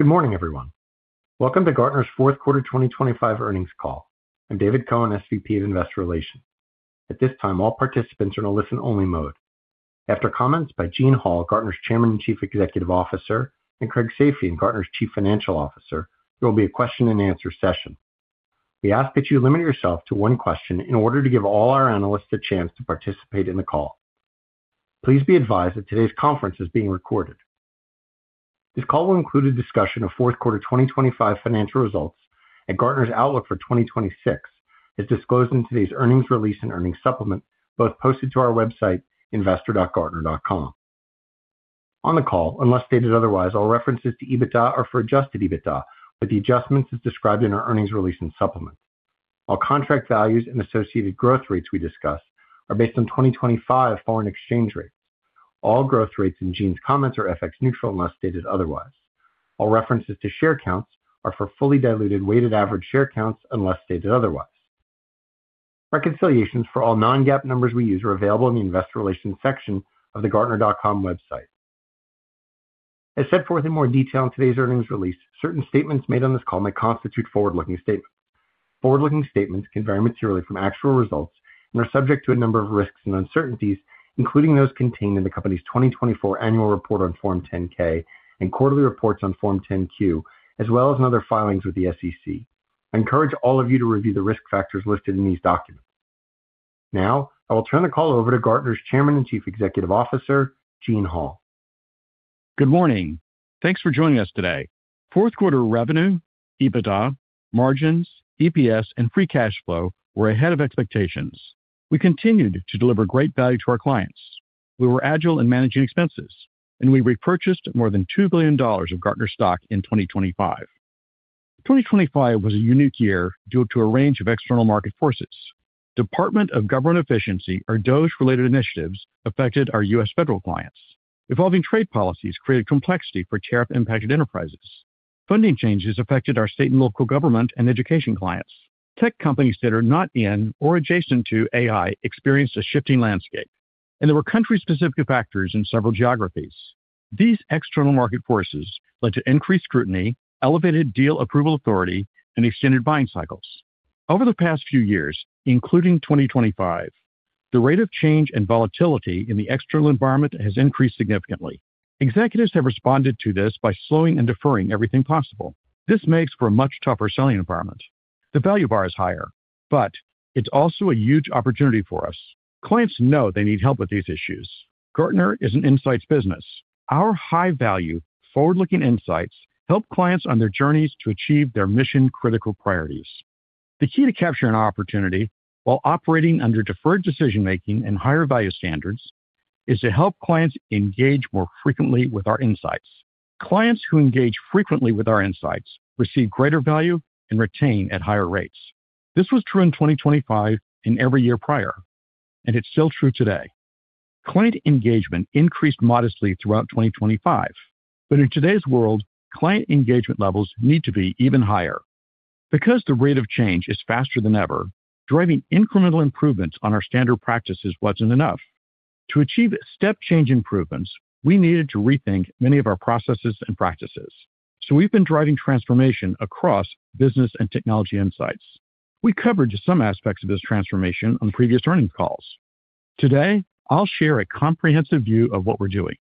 Good morning, everyone. Welcome to Gartner's fourth quarter 2025 earnings call. I'm David Cohen, SVP of Investor Relations. At this time, all participants are in a listen-only mode. After comments by Gene Hall, Gartner's Chairman and Chief Executive Officer, and Craig Safian, Gartner's Chief Financial Officer, there will be a question-and-answer session. We ask that you limit yourself to one question in order to give all our analysts a chance to participate in the call. Please be advised that today's conference is being recorded. This call will include a discussion of fourth quarter 2025 financial results and Gartner's outlook for 2026, as disclosed in today's earnings release and earnings supplement, both posted to our website, investor.gartner.com. On the call, unless stated otherwise, all references to EBITDA are for adjusted EBITDA, with the adjustments as described in our earnings release and supplement. All contract values and associated growth rates we discuss are based on 2025 foreign exchange rates. All growth rates in Gene's comments are FX neutral, unless stated otherwise. All references to share counts are for fully diluted weighted average share counts, unless stated otherwise. Reconciliations for all non-GAAP numbers we use are available in the Investor Relations section of the Gartner.com website. As set forth in more detail in today's earnings release, certain statements made on this call may constitute forward-looking statements. Forward-looking statements can vary materially from actual results and are subject to a number of risks and uncertainties, including those contained in the company's 2024 Annual Report on Form 10-K and quarterly reports on Form 10-Q, as well as in other filings with the SEC. I encourage all of you to review the risk factors listed in these documents. Now, I will turn the call over to Gartner's Chairman and Chief Executive Officer, Gene Hall. Good morning. Thanks for joining us today. Fourth quarter revenue, EBITDA, margins, EPS, and free cash flow were ahead of expectations. We continued to deliver great value to our clients. We were agile in managing expenses, and we repurchased more than $2 billion of Gartner stock in 2025. 2025 was a unique year due to a range of external market forces. Department of Government Efficiency, or DOGE-related initiatives, affected our U.S. federal clients. Evolving trade policies created complexity for tariff-impacted enterprises. Funding changes affected our state and local government and education clients. Tech companies that are not in or adjacent to AI experienced a shifting landscape, and there were country-specific factors in several geographies. These external market forces led to increased scrutiny, elevated deal approval authority, and extended buying cycles. Over the past few years, including 2025, the rate of change and volatility in the external environment has increased significantly. Executives have responded to this by slowing and deferring everything possible. This makes for a much tougher selling environment. The value bar is higher, but it's also a huge opportunity for us. Clients know they need help with these issues. Gartner is an insights business. Our high-value, forward-looking insights help clients on their journeys to achieve their mission-critical priorities. The key to capturing our opportunity, while operating under deferred decision-making and higher value standards, is to help clients engage more frequently with our insights. Clients who engage frequently with our insights receive greater value and retain at higher rates. This was true in 2025 and every year prior, and it's still true today. Client engagement increased modestly throughout 2025, but in today's world, client engagement levels need to be even higher. Because the rate of change is faster than ever, driving incremental improvements on our standard practices wasn't enough. To achieve step change improvements, we needed to rethink many of our processes and practices. So, we've been driving transformation across Business and Technology Insights. We covered some aspects of this transformation on previous earnings calls. Today, I'll share a comprehensive view of what we're doing.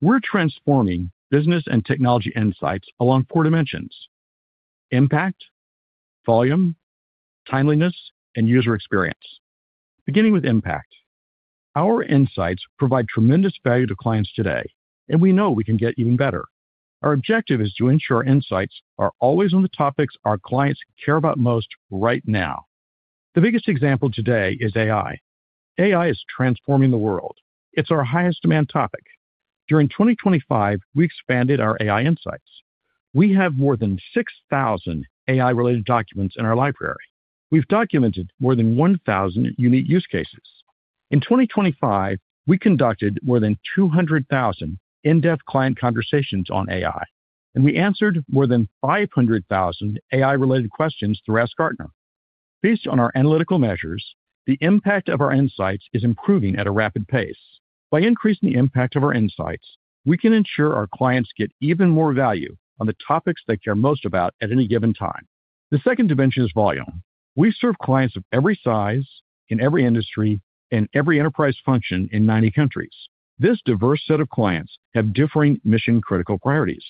We're transforming Business and Technology Insights along four dimensions: impact, volume, timeliness, and user experience. Beginning with impact. Our insights provide tremendous value to clients today, and we know we can get even better. Our objective is to ensure insights are always on the topics our clients care about most right now. The biggest example today is AI. AI is transforming the world. It's our highest demand topic. During 2025, we expanded our AI insights. We have more than 6,000 AI-related documents in our library. We've documented more than 1,000 unique use cases. In 2025, we conducted more than 200,000 in-depth client conversations on AI, and we answered more than 500,000 AI-related questions through Ask Gartner. Based on our analytical measures, the impact of our insights is improving at a rapid pace. By increasing the impact of our insights, we can ensure our clients get even more value on the topics they care most about at any given time. The second dimension is volume. We serve clients of every size, in every industry, and every enterprise function in 90 countries. This diverse set of clients have differing mission-critical priorities.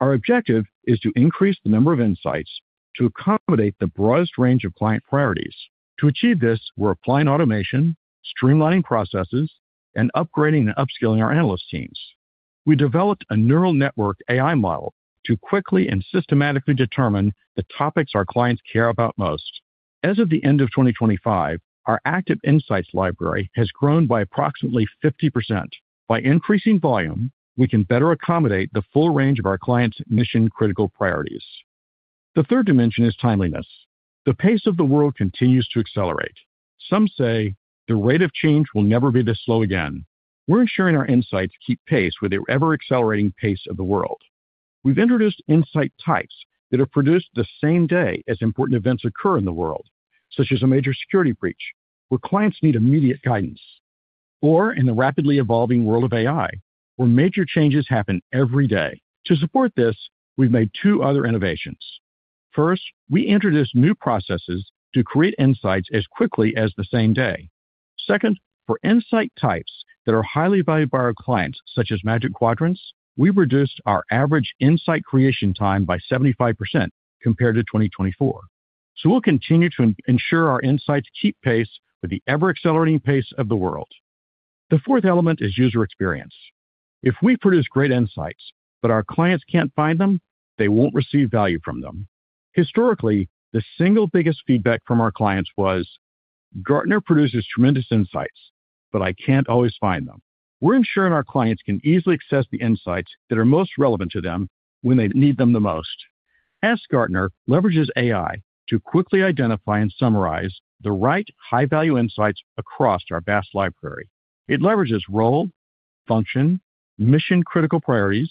Our objective is to increase the number of insights to accommodate the broadest range of client priorities. To achieve this, we're applying automation, streamlining processes, and upgrading and upskilling our analyst teams. We developed a neural network AI model to quickly and systematically determine the topics our clients care about most. As of the end of 2025, our active insights library has grown by approximately 50%. By increasing volume, we can better accommodate the full range of our clients' mission-critical priorities. The third dimension is timeliness. The pace of the world continues to accelerate. Some say the rate of change will never be this slow again. We're ensuring our insights keep pace with the ever-accelerating pace of the world. We've introduced insight types that are produced the same day as important events occur in the world, such as a major security breach, where clients need immediate guidance.... or in the rapidly evolving world of AI, where major changes happen every day. To support this, we've made two other innovations. First, we introduced new processes to create insights as quickly as the same day. Second, for insight types that are highly valued by our clients, such as Magic Quadrants, we've reduced our average insight creation time by 75% compared to 2024. So we'll continue to ensure our insights keep pace with the ever-accelerating pace of the world. The fourth element is user experience. If we produce great insights, but our clients can't find them, they won't receive value from them. Historically, the single biggest feedback from our clients was, "Gartner produces tremendous insights, but I can't always find them." We're ensuring our clients can easily access the insights that are most relevant to them when they need them the most. Ask Gartner leverages AI to quickly identify and summarize the right high-value insights across our vast library. It leverages role, function, mission-critical priorities,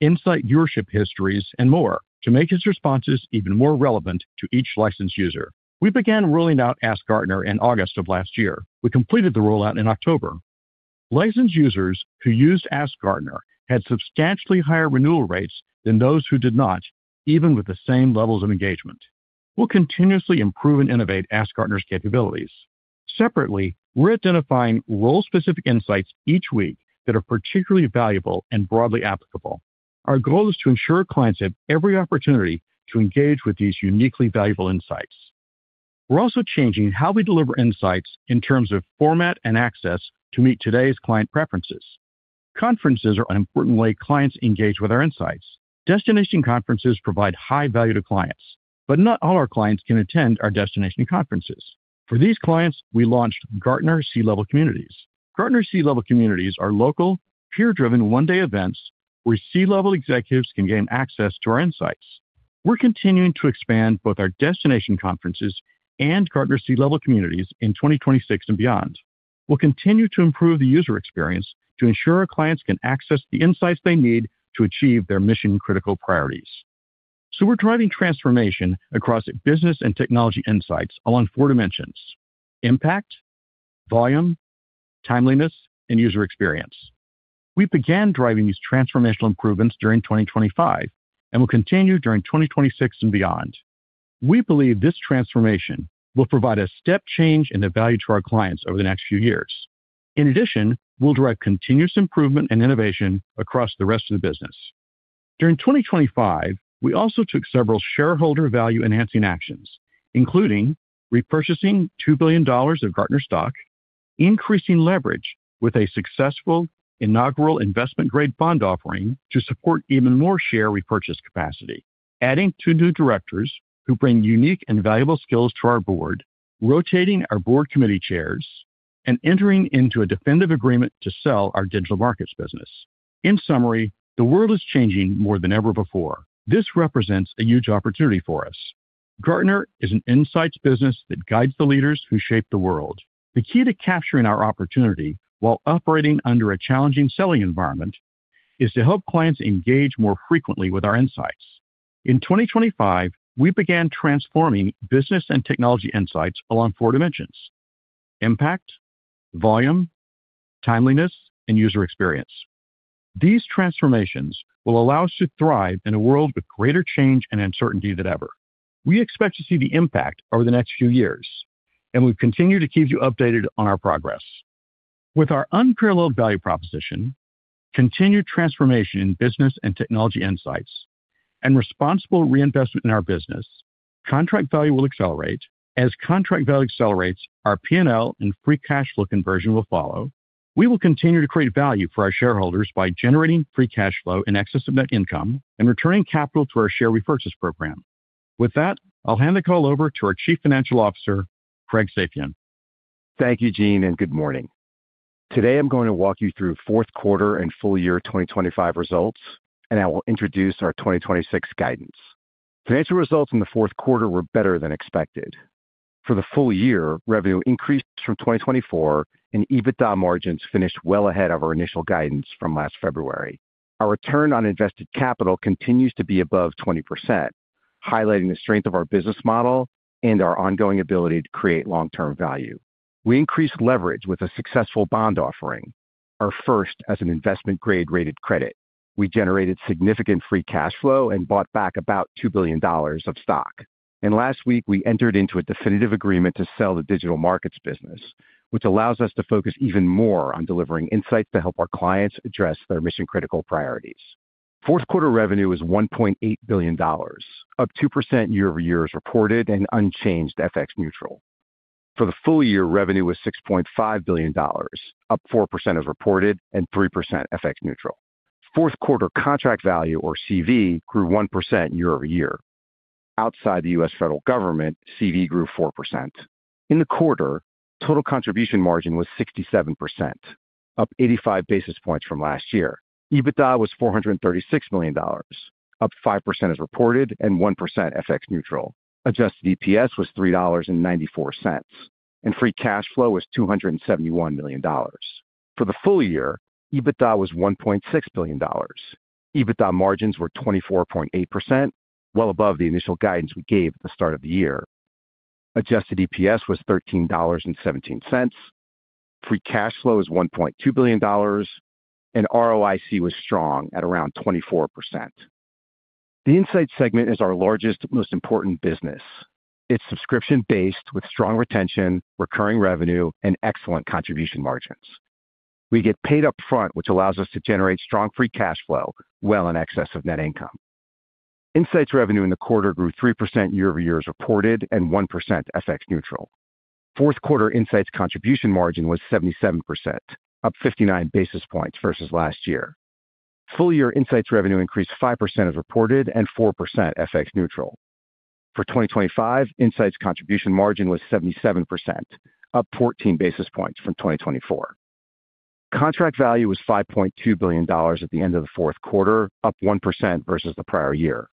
insight viewership histories, and more to make its responses even more relevant to each licensed user. We began rolling out Ask Gartner in August of last year. We completed the rollout in October. Licensed users who used Ask Gartner had substantially higher renewal rates than those who did not, even with the same levels of engagement. We'll continuously improve and innovate Ask Gartner's capabilities. Separately, we're identifying role-specific insights each week that are particularly valuable and broadly applicable. Our goal is to ensure clients have every opportunity to engage with these uniquely valuable insights. We're also changing how we deliver insights in terms of format and access to meet today's client preferences. Conferences are an important way clients engage with our insights. Destination conferences provide high value to clients, but not all our clients can attend our destination conferences. For these clients, we launched Gartner C-Level Communities. Gartner C-Level Communities are local, peer-driven, one-day events where C-level executives can gain access to our insights. We're continuing to expand both our destination conferences and Gartner C-Level Communities in 2026 and beyond. We'll continue to improve the user experience to ensure our clients can access the insights they need to achieve their mission-critical priorities. So, we're driving transformation across Business and Technology Insights along four dimensions: impact, volume, timeliness, and user experience. We began driving these transformational improvements during 2025 and will continue during 2026 and beyond. We believe this transformation will provide a step change in the value to our clients over the next few years. In addition, we'll drive continuous improvement and innovation across the rest of the business. During 2025, we also took several shareholder value-enhancing actions, including repurchasing $2 billion of Gartner stock, increasing leverage with a successful inaugural investment-grade bond offering to support even more share repurchase capacity, adding two new directors who bring unique and valuable skills to our board, rotating our board committee chairs, and entering into a definitive agreement to sell our Digital Markets business. In summary, the world is changing more than ever before. This represents a huge opportunity for us. Gartner is an insights business that guides the leaders who shape the world. The key to capturing our opportunity while operating under a challenging selling environment, is to help clients engage more frequently with our insights. In 2025, we began transforming Business and Technology Insights along four dimensions: impact, volume, timeliness, and user experience. These transformations will allow us to thrive in a world with greater change and uncertainty than ever. We expect to see the impact over the next few years, and we've continued to keep you updated on our progress. With our unparalleled value proposition, continued transformation in Business and Technology Insights, and responsible reinvestment in our business, contract value will accelerate. As contract value accelerates, our PNL and free cash flow conversion will follow. We will continue to create value for our shareholders by generating free cash flow in excess of net income and returning capital to our share repurchase program. With that, I'll hand the call over to our Chief Financial Officer, Craig Safian. Thank you, Gene, and good morning. Today, I'm going to walk you through fourth quarter and full year 2025 results, and I will introduce our 2026 guidance. Financial results in the fourth quarter were better than expected. For the full year, revenue increased from 2024, and EBITDA margins finished well ahead of our initial guidance from last February. Our return on invested capital continues to be above 20%, highlighting the strength of our business model and our ongoing ability to create long-term value. We increased leverage with a successful bond offering, our first as an investment-grade rated credit. We generated significant free cash flow and bought back about $2 billion of stock. Last week, we entered into a definitive agreement to sell the digital markets business, which allows us to focus even more on delivering insights to help our clients address their mission-critical priorities. Fourth quarter revenue is $1.8 billion, up 2% year-over-year as reported and unchanged FX neutral. For the full year, revenue was $6.5 billion, up 4% as reported and 3% FX neutral. Fourth quarter contract value, or CV, grew 1% year-over-year. Outside the U.S. Federal Government, CV grew 4%. In the quarter, total contribution margin was 67%, up 85 basis points from last year. EBITDA was $436 million, up 5% as reported and 1% FX neutral. Adjusted EPS was $3.94, and free cash flow was $271 million. For the full year, EBITDA was $1.6 billion. EBITDA margins were 24.8%, well above the initial guidance we gave at the start of the year. Adjusted EPS was $13.17. Free cash flow is $1.2 billion, and ROIC was strong at around 24%. The Insights segment is our largest, most important business. It's subscription-based, with strong retention, recurring revenue, and excellent contribution margins. We get paid upfront, which allows us to generate strong free cash flow well in excess of net income. Insights revenue in the quarter grew 3% year-over-year as reported, and 1% FX neutral. Fourth quarter Insights contribution margin was 77%, up 59 basis points versus last year. Full year Insights revenue increased 5% as reported and 4% FX neutral. For 2025, Insights contribution margin was 77%, up 14 basis points from 2024. Contract value was $5.2 billion at the end of the fourth quarter, up 1% versus the prior year.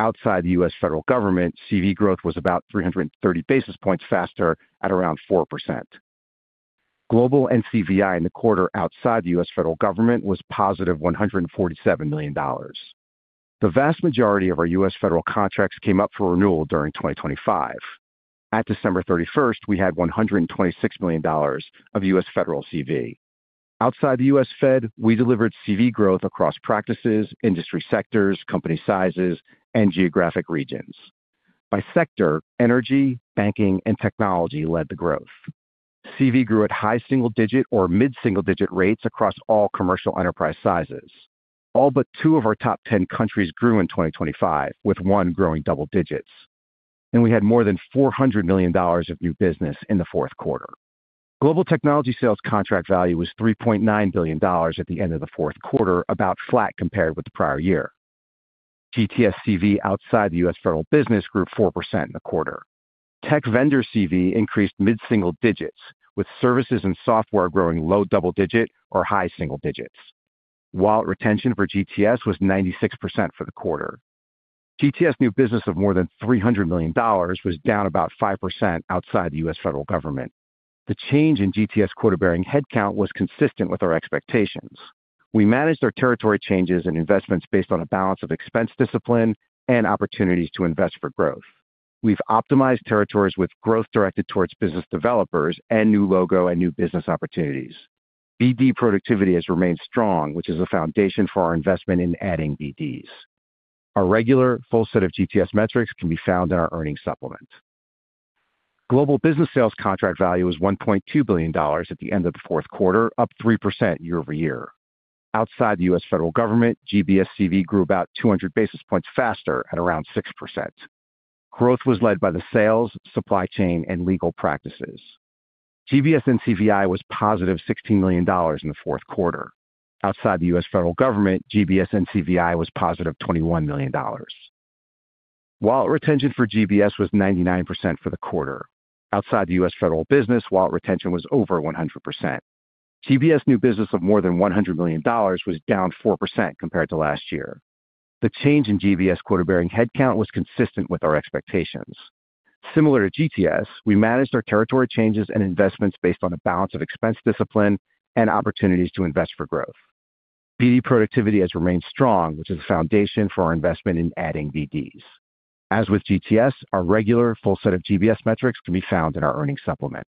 Outside the U.S. federal government, CV growth was about 330 basis points faster at around 4%. Global NCVI in the quarter outside the U.S. federal government was positive $147 million. The vast majority of our U.S. federal contracts came up for renewal during 2025. At December 31, we had $126 million of U.S. federal CV. Outside the U.S. Fed, we delivered CV growth across practices, industry sectors, company sizes, and geographic regions. By sector, energy, banking, and technology led the growth. CV grew at high single digit or mid-single digit rates across all commercial enterprise sizes. All but two of our top ten countries grew in 2025, with one growing double digits, and we had more than $400 million of new business in the fourth quarter. Global Technology Sales contract value was $3.9 billion at the end of the fourth quarter, about flat compared with the prior year. GTS CV outside the U.S. federal business grew 4% in the quarter. Tech vendor CV increased mid-single digits, with services and software growing low double digit or high single digits. Wallet retention for GTS was 96% for the quarter. GTS new business of more than $300 million was down about 5% outside the U.S. federal government. The change in GTS quota-bearing headcount was consistent with our expectations. We managed our territory changes and investments based on a balance of expense, discipline, and opportunities to invest for growth. We've optimized territories with growth directed towards business developers and new logo and new business opportunities. BD productivity has remained strong, which is a foundation for our investment in adding BDs. Our regular full set of GTS metrics can be found in our earnings supplement. Global Business Sales contract value is $1.2 billion at the end of the fourth quarter, up 3% year-over-year. Outside the U.S. federal government, GBS CV grew about 200 basis points faster at around 6%. Growth was led by the sales, supply chain, and legal practices. GBS NCVI was positive $16 million in the fourth quarter. Outside the U.S. federal government, GBS NCVI was positive $21 million. Wallet retention for GBS was 99% for the quarter. Outside the U.S. federal business, wallet retention was over 100%. GBS new business of more than $100 million was down 4% compared to last year. The change in GBS quota-bearing headcount was consistent with our expectations. Similar to GTS, we managed our territory changes and investments based on a balance of expense, discipline, and opportunities to invest for growth. BD productivity has remained strong, which is a foundation for our investment in adding BDs. As with GTS, our regular full set of GBS metrics can be found in our earnings supplement.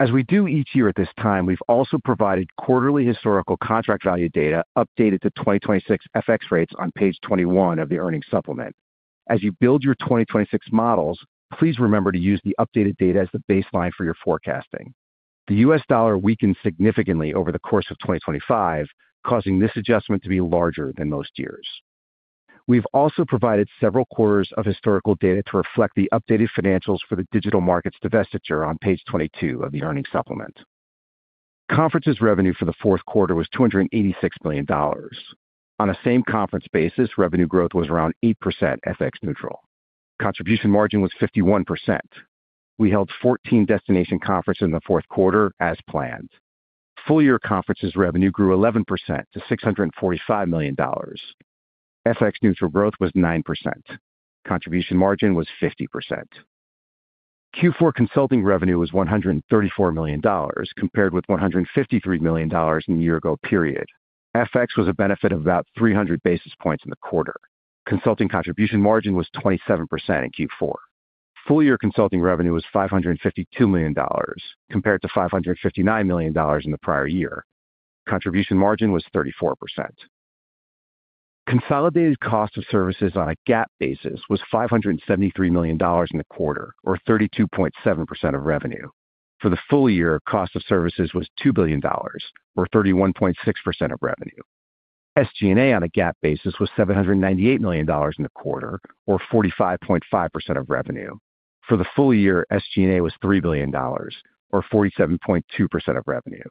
As we do each year at this time, we've also provided quarterly historical contract value data updated to 2026 FX rates on page 21 of the earnings supplement. As you build your 2026 models, please remember to use the updated data as the baseline for your forecasting. The US dollar weakened significantly over the course of 2025, causing this adjustment to be larger than most years. We've also provided several quarters of historical data to reflect the updated financials for the digital markets divestiture on page 22 of the earnings supplement. Conferences revenue for the fourth quarter was $286 million. On a same-conference basis, revenue growth was around 8% FX neutral. Contribution margin was 51%. We held 14 destination conferences in the fourth quarter as planned. Full year conferences revenue grew 11% to $645 million. FX neutral growth was 9%. Contribution margin was 50%. Q4 consulting revenue was $134 million, compared with $153 million in the year-ago period. FX was a benefit of about 300 basis points in the quarter. Consulting contribution margin was 27% in Q4. Full year consulting revenue was $552 million, compared to $559 million in the prior year. Contribution margin was 34%. Consolidated cost of services on a GAAP basis was $573 million in the quarter, or 32.7% of revenue. For the full year, cost of services was $2 billion or 31.6% of revenue. SG&A on a GAAP basis was $798 million in the quarter or 45.5% of revenue. For the full year, SG&A was $3 billion or 47.2% of revenue.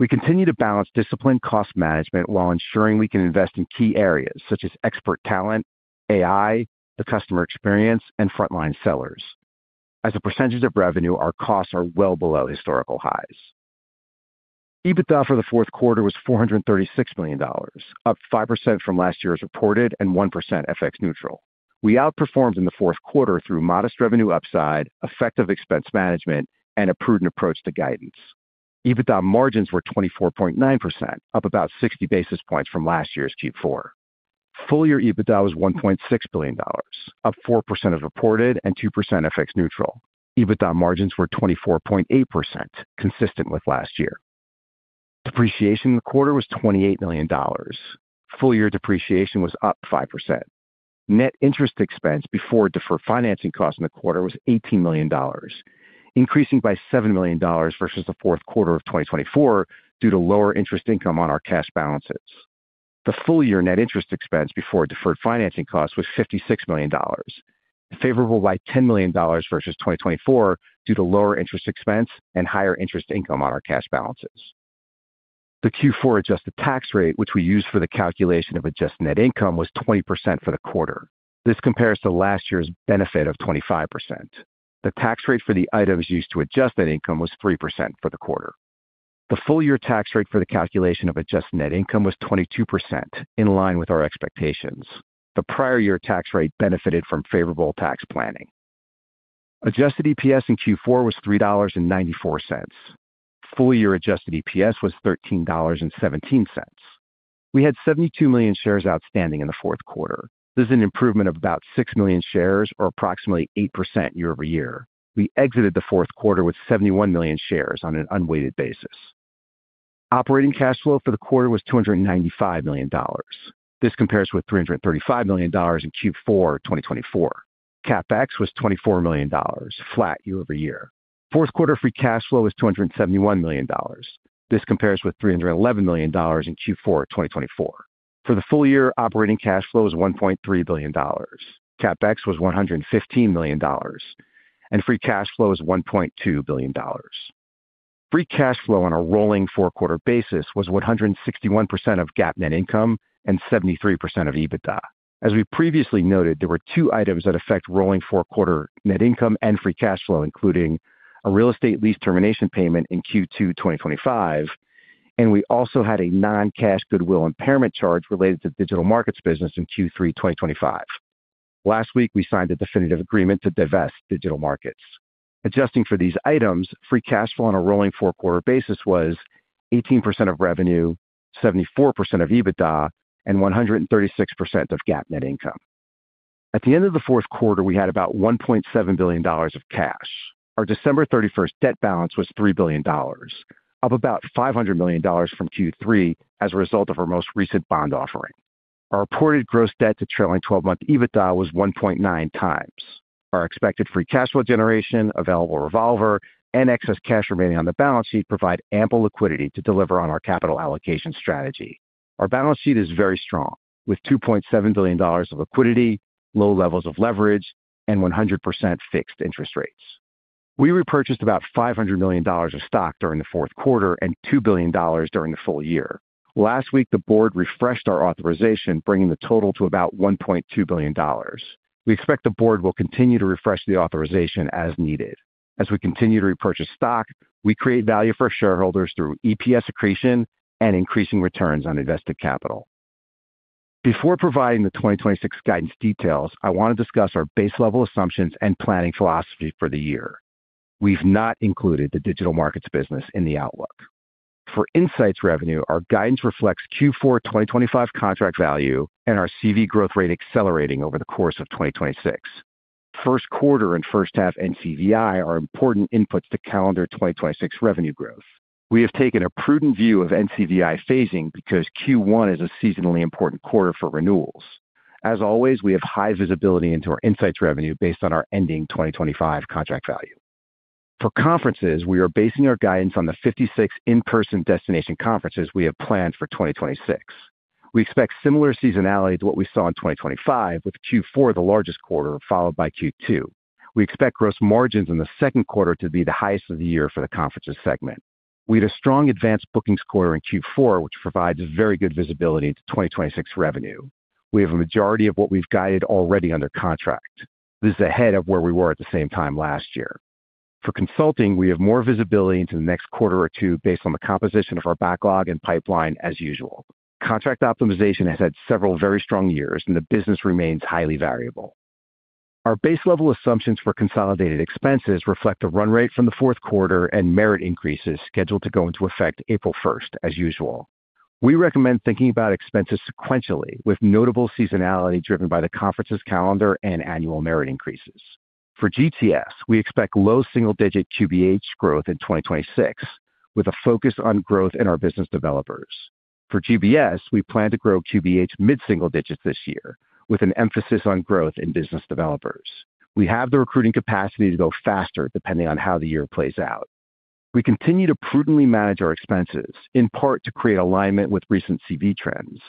We continue to balance disciplined cost management while ensuring we can invest in key areas such as expert talent, AI, the customer experience, and frontline sellers. As a percentage of revenue, our costs are well below historical highs. EBITDA for the fourth quarter was $436 million, up 5% from last year's reported and 1% FX neutral. We outperformed in the fourth quarter through modest revenue upside, effective expense management, and a prudent approach to guidance. EBITDA margins were 24.9%, up about 60 basis points from last year's Q4. Full year EBITDA was $1.6 billion, up 4% reported and 2% FX neutral. EBITDA margins were 24.8%, consistent with last year. Depreciation in the quarter was $28 million. Full year depreciation was up 5%. Net interest expense before deferred financing costs in the quarter was $18 million, increasing by $7 million versus the fourth quarter of 2024 due to lower interest income on our cash balances. The full-year net interest expense before deferred financing costs was $56 million, favorable by $10 million versus 2024 due to lower interest expense and higher interest income on our cash balances. The Q4 adjusted tax rate, which we use for the calculation of adjusted net income, was 20% for the quarter. This compares to last year's benefit of 25%. The tax rate for the items used to adjust net income was 3% for the quarter. The full-year tax rate for the calculation of adjusted net income was 22%, in line with our expectations. The prior year tax rate benefited from favorable tax planning. Adjusted EPS in Q4 was $3.94. Full-year adjusted EPS was $13.17. We had 72 million shares outstanding in the fourth quarter. This is an improvement of about 6 million shares or approximately 8% year-over-year. We exited the fourth quarter with 71 million shares on an unweighted basis. Operating cash flow for the quarter was $295 million. This compares with $335 million in Q4 2024. CapEx was $24 million, flat year-over-year. Fourth quarter free cash flow was $271 million. This compares with $311 million in Q4 2024. For the full year, operating cash flow was $1.3 billion. CapEx was $115 million, and free cash flow is $1.2 billion. Free cash flow on a rolling four-quarter basis was 161% of GAAP net income and 73% of EBITDA. As we previously noted, there were two items that affect rolling four-quarter net income and free cash flow, including a real estate lease termination payment in Q2 2025, and we also had a non-cash goodwill impairment charge related to digital markets business in Q3 2025. Last week, we signed a definitive agreement to divest digital markets. Adjusting for these items, free cash flow on a rolling four-quarter basis was 18% of revenue, 74% of EBITDA, and 136% of GAAP net income. At the end of the fourth quarter, we had about $1.7 billion of cash. Our December 31 debt balance was $3 billion, up about $500 million from Q3 as a result of our most recent bond offering. Our reported gross debt to trailing 12-month EBITDA was 1.9 times. Our expected free cash flow generation, available revolver, and excess cash remaining on the balance sheet provide ample liquidity to deliver on our capital allocation strategy. Our balance sheet is very strong, with $2.7 billion of liquidity, low levels of leverage, and 100% fixed interest rates. We repurchased about $500 million of stock during the fourth quarter and $2 billion during the full year. Last week, the board refreshed our authorization, bringing the total to about $1.2 billion. We expect the board will continue to refresh the authorization as needed. As we continue to repurchase stock, we create value for our shareholders through EPS accretion and increasing returns on invested capital. Before providing the 2026 guidance details, I want to discuss our base level assumptions and planning philosophy for the year. We've not included the digital markets business in the outlook. For insights revenue, our guidance reflects Q4 2025 contract value and our CV growth rate accelerating over the course of 2026. First quarter and first half NCVI are important inputs to calendar 2026 revenue growth. We have taken a prudent view of NCVI phasing because Q1 is a seasonally important quarter for renewals. As always, we have high visibility into our insight's revenue based on our ending 2025 contract value. For conferences, we are basing our guidance on the 56 in-person destination conferences we have planned for 2026. We expect similar seasonality to what we saw in 2025, with Q4 the largest quarter, followed by Q2. We expect gross margins in the second quarter to be the highest of the year for the conferences segment. We had a strong advanced bookings quarter in Q4, which provides very good visibility into 2026 revenue. We have a majority of what we've guided already under contract. This is ahead of where we were at the same time last year. For consulting, we have more visibility into the next quarter or two based on the composition of our backlog and pipeline as usual. Contract optimization has had several very strong years, and the business remains highly variable. Our base level assumptions for consolidated expenses reflect the run rate from the fourth quarter and merit increases scheduled to go into effect April first, as usual. We recommend thinking about expenses sequentially, with notable seasonality driven by the conferences calendar and annual merit increases. For GTS, we expect low single-digit QBH growth in 2026, with a focus on growth in our business developers. For GBS, we plan to grow QBH mid-single digits this year, with an emphasis on growth in business developers. We have the recruiting capacity to go faster depending on how the year plays out. We continue to prudently manage our expenses, in part to create alignment with recent CV trends,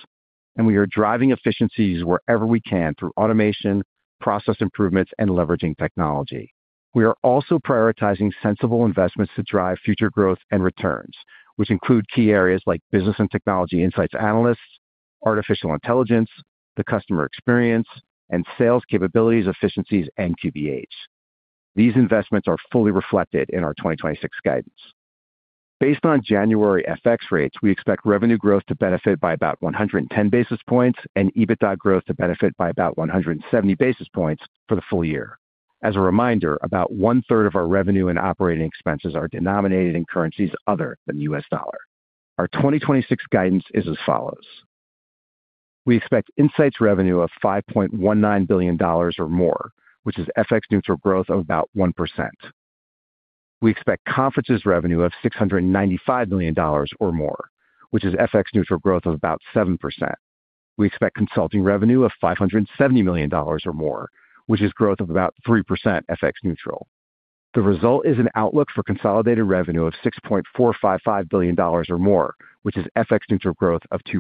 and we are driving efficiencies wherever we can through automation, process improvements, and leveraging technology. We are also prioritizing sensible investments to drive future growth and returns, which include key areas like Business and Technology Insights analysts, artificial intelligence, the customer experience, and sales capabilities, efficiencies, and QBH. These investments are fully reflected in our 2026 guidance. Based on January FX rates, we expect revenue growth to benefit by about 110 basis points and EBITDA growth to benefit by about 170 basis points for the full year. As a reminder, about one-third of our revenue and operating expenses are denominated in currencies other than U.S. dollar. Our 2026 guidance is as follows: We expect insights revenue of $5.19 billion or more, which is FX neutral growth of about 1%. We expect conferences revenue of $695 million or more, which is FX neutral growth of about 7%. We expect consulting revenue of $570 million or more, which is growth of about 3% FX neutral. The result is an outlook for consolidated revenue of $6.45 billion or more, which is FX neutral growth of 2%.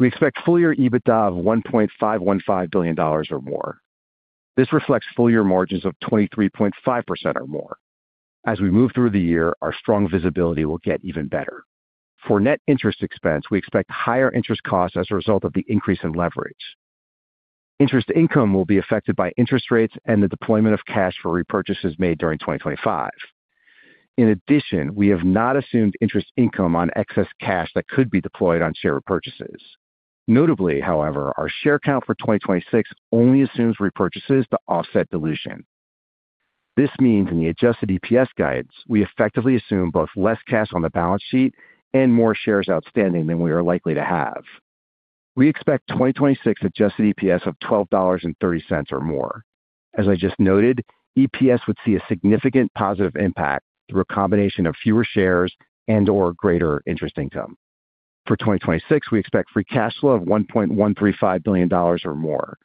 We expect full year EBITDA of $1.515 billion or more. This reflects full year margins of 23.5% or more. As we move through the year, our strong visibility will get even better. For net interest expense, we expect higher interest costs as a result of the increase in leverage. Interest income will be affected by interest rates and the deployment of cash for repurchases made during 2025. In addition, we have not assumed interest income on excess cash that could be deployed on share repurchases. Notably, however, our share count for 2026 only assumes repurchases to offset dilution. This means in the adjusted EPS guidance, we effectively assume both less cash on the balance sheet and more shares outstanding than we are likely to have. We expect 2026 adjusted EPS of $12.30 or more. As I just noted, EPS would see a significant positive impact through a combination of fewer shares and or greater interest income. For 2026, we expect free cash flow of $1.135 billion or more.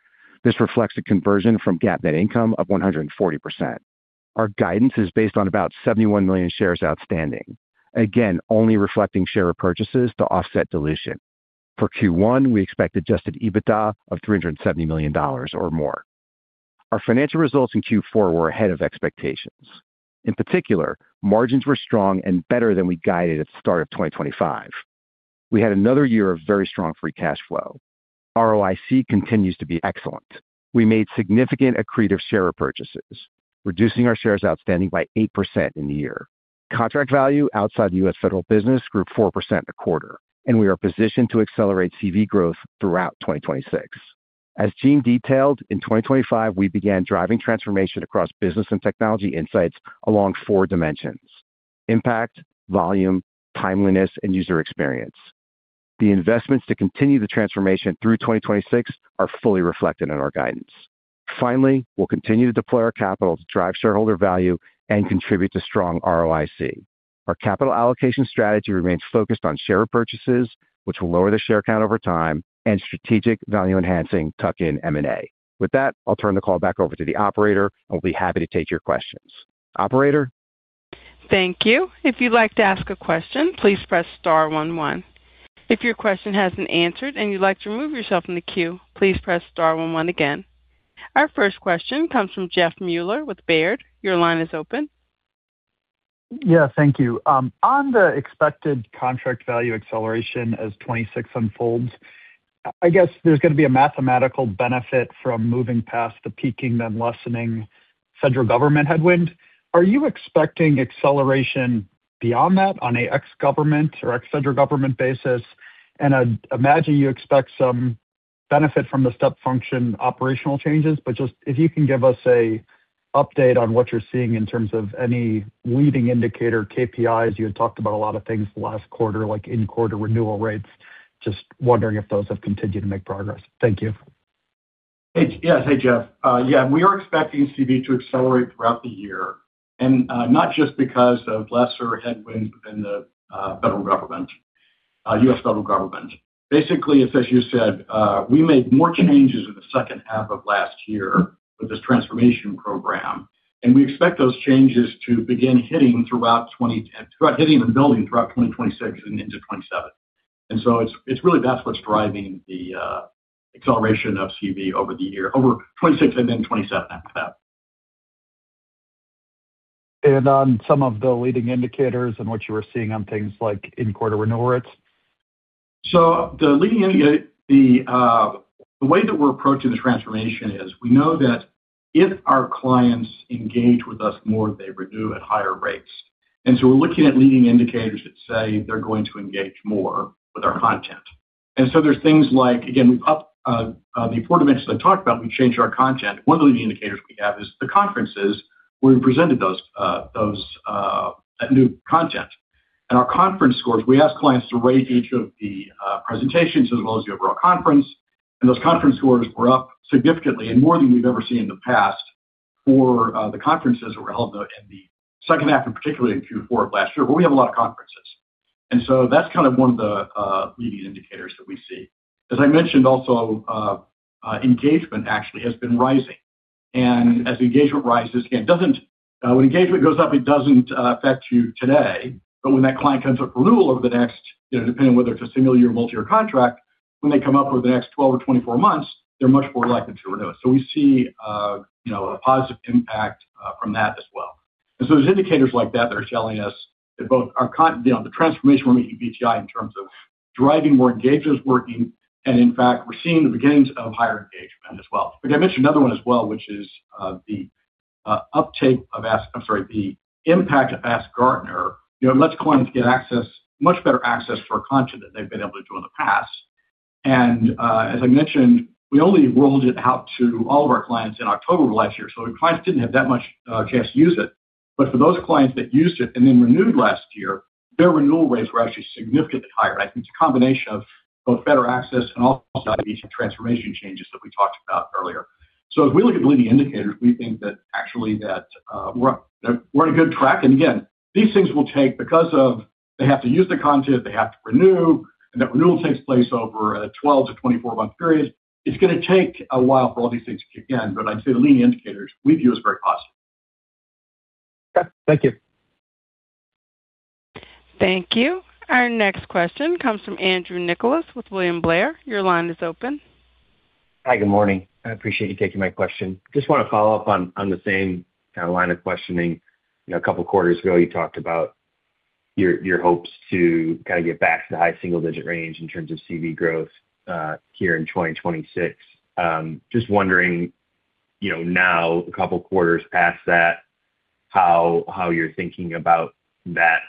This reflects a conversion from GAAP net income of 140%. Our guidance is based on about 71 million shares outstanding. Again, only reflecting share repurchases to offset dilution. For Q1, we expect adjusted EBITDA of $370 million or more. Our financial results in Q4 were ahead of expectations. In particular, margins were strong and better than we guided at the start of 2025. We had another year of very strong free cash flow. ROIC continues to be excellent. We made significant accretive share repurchases, reducing our shares outstanding by 8% in the year. Contract value outside the US federal business grew 4% a quarter, and we are positioned to accelerate CV growth throughout 2026. As Gene detailed, in 2025, we began driving transformation across Business and Technology Insights along four dimensions: impact, volume, timeliness, and user experience. The investments to continue the transformation through 2026 are fully reflected in our guidance. Finally, we'll continue to deploy our capital to drive shareholder value and contribute to strong ROIC. Our capital allocation strategy remains focused on share repurchases, which will lower the share count over time and strategic value-enhancing tuck-in M&A. With that, I'll turn the call back over to the operator. I'll be happy to take your questions. Operator? Thank you. If you'd like to ask a question, please press * 1 1. If your question hasn't answered and you'd like to remove yourself from the queue, please press * 1 1 again. Our first question comes from Jeff Meuler with Baird. Your line is open. Yeah, thank you. On the expected contract value acceleration as 26 unfolds, I guess there's gonna be a mathematical benefit from moving past the peaking, then lessening federal government headwind. Are you expecting acceleration beyond that on an ex-government or ex-federal government basis? And I'd imagine you expect some benefit from the step function operational changes, but just if you can give us an update on what you're seeing in terms of any leading indicator, KPIs. You had talked about a lot of things last quarter, like in-quarter renewal rates. Just wondering if those have continued to make progress. Thank you. Hey. Yeah. Hey, Jeff. Yeah, we are expecting CV to accelerate throughout the year, and not just because of lesser headwind in the federal government, U.S. Federal Government. Basically, it's as you said, we made more changes in the second half of last year with this transformation program, and we expect those changes to begin hitting and building throughout 2026 and into 2027. So, it's really that's what's driving the acceleration of CV over the year, over 2026 and then 2027 after that. On some of the leading indicators and what you were seeing on things like in-quarter renewal rates? So, the leading indicators, the way that we're approaching the transformation is, we know that if our clients engage with us more, they renew at higher rates. And so, we're looking at leading indicators that say they're going to engage more with our content. And so, there's things like, again, the four dimensions I talked about, we changed our content. One of the leading indicators we have is the conferences, where we presented that new content. And our conference scores, we ask clients to rate each of the presentations as well as the overall conference. And those conference scores were up significantly and more than we've ever seen in the past for the conferences that were held in the second half, and particularly in Q4 of last year, where we have a lot of conferences. And so, that's kind of one of the leading indicators that we see. As I mentioned also, engagement actually has been rising, and as engagement rises, again, it doesn't, when engagement goes up, it doesn't affect you today, but when that client comes up for renewal over the next, you know, depending on whether it's a single year, multi-year contract, when they come up over the next 12 or 24 months, they're much more likely to renew it. So, we see, you know, a positive impact from that as well. And so, those indicators like that are telling us that both our you know, the transformation we're making in BTI in terms of driving more engagement is working, and in fact, we're seeing the beginnings of higher engagement as well. Again, I mentioned another one as well, which is the impact of Ask Gartner. You know, lets clients get access, much better access for content than they've been able to do in the past.... As I mentioned, we only rolled it out to all of our clients in October of last year, so, the clients didn't have that much chance to use it. But for those clients that used it and then renewed last year, their renewal rates were actually significantly higher. I think it's a combination of both better access and also some transformation changes that we talked about earlier. So, if we look at leading indicators, we think that actually that we're on a good track. And again, these things will take because of they have to use the content, they have to renew, and that renewal takes place over a 12-24-month period. It's gonna take a while for all these things to kick in, but I'd say the leading indicators we view as very positive. Okay, thank you. Thank you. Our next question comes from Andrew Nicholas with William Blair. Your line is open. Hi, good morning. I appreciate you taking my question. Just wanna follow up on, on the same kind of line of questioning. You know, a couple of quarters ago, you talked about your, your hopes to kind of get back to the high single-digit range in terms of CV growth here in 2026. Just wondering, you know, now, a couple of quarters past that, how, how you're thinking about that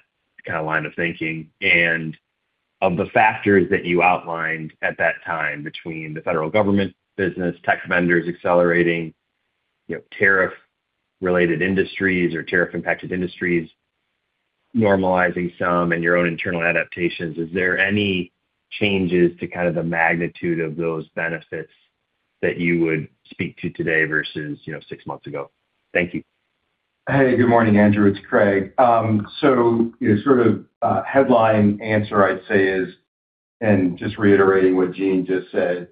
kind of line of thinking? And of the factors that you outlined at that time between the federal government business, tech vendors accelerating, you know, tariff-related industries or tariff-impacted industries normalizing some and your own internal adaptations, is there any changes to kind of the magnitude of those benefits that you would speak to today versus, you know, six months ago? Thank you. Hey, good morning, Andrew. It's Craig. So, you know, sort of, headline answer, I'd say is, and just reiterating what Gene just said,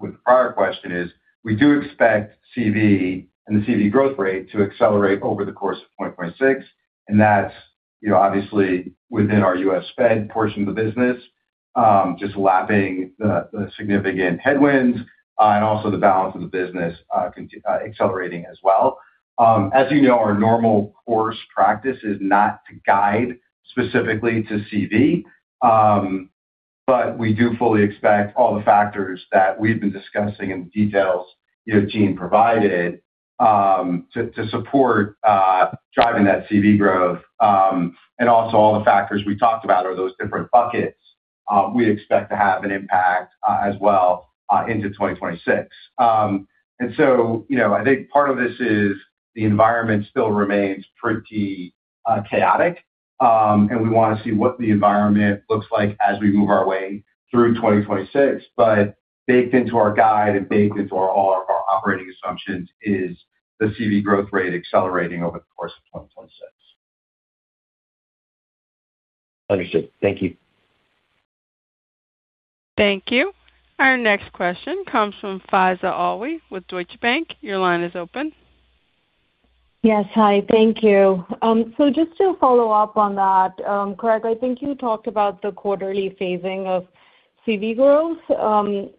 with the prior question, is we do expect CV and the CV growth rate to accelerate over the course of 2026, and that's, you know, obviously within our US Fed portion of the business, just lapping the, the significant headwinds, and also the balance of the business, accelerating as well. As you know, our normal course practice is not to guide specifically to CV, but we do fully expect all the factors that we've been discussing in the details, you know, Gene provided, to, to support, driving that CV growth. And also all the factors we talked about or those different buckets, we expect to have an impact, as well, into 2026. And so, you know, I think part of this is the environment still remains pretty chaotic, and we wanna see what the environment looks like as we move our way through 2026. But baked into our guide and baked into all of our operating assumptions is the CV growth rate accelerating over the course of 2026. Understood. Thank you. Thank you. Our next question comes from Faiza Alwy with Deutsche Bank. Your line is open. Yes. Hi, thank you. So, just to follow up on that, Craig, I think you talked about the quarterly phasing of CV growth.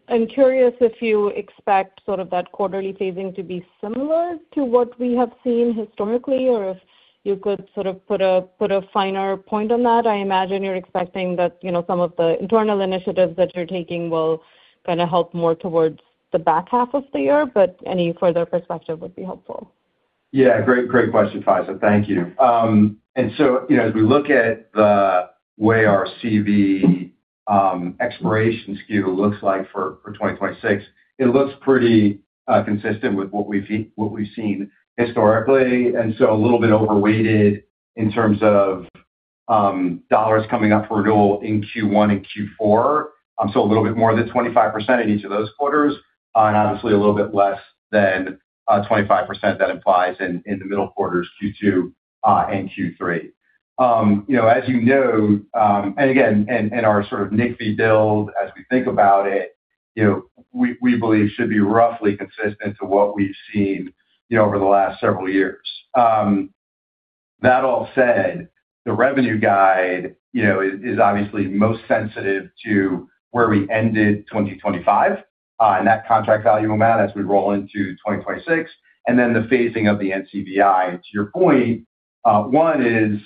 I'm curious if you expect sort of that quarterly phasing to be similar to what we have seen historically, or if you could sort of put a finer point on that. I imagine you're expecting that, you know, some of the internal initiatives that you're taking will kind of help more towards the back half of the year, but any further perspective would be helpful. Yeah, great, great question, Faiza. Thank you. And so, you know, as we look at the way our CV expiration SKU looks like for 2026, it looks pretty consistent with what we've seen historically, and so, a little bit overweighted in terms of dollars coming up for renewal in Q1 and Q4. So, a little bit more than 25% in each of those quarters, and obviously a little bit less than 25% that implies in the middle quarters, Q2 and Q3. You know, as you know, and again, our sort of NCVI build as we think about it, you know, we believe should be roughly consistent to what we've seen, you know, over the last several years. That all said, the revenue guide, you know, is obviously most sensitive to where we ended 2025, and that contract value amount as we roll into 2026, and then the phasing of the NCVI. To your point, one is,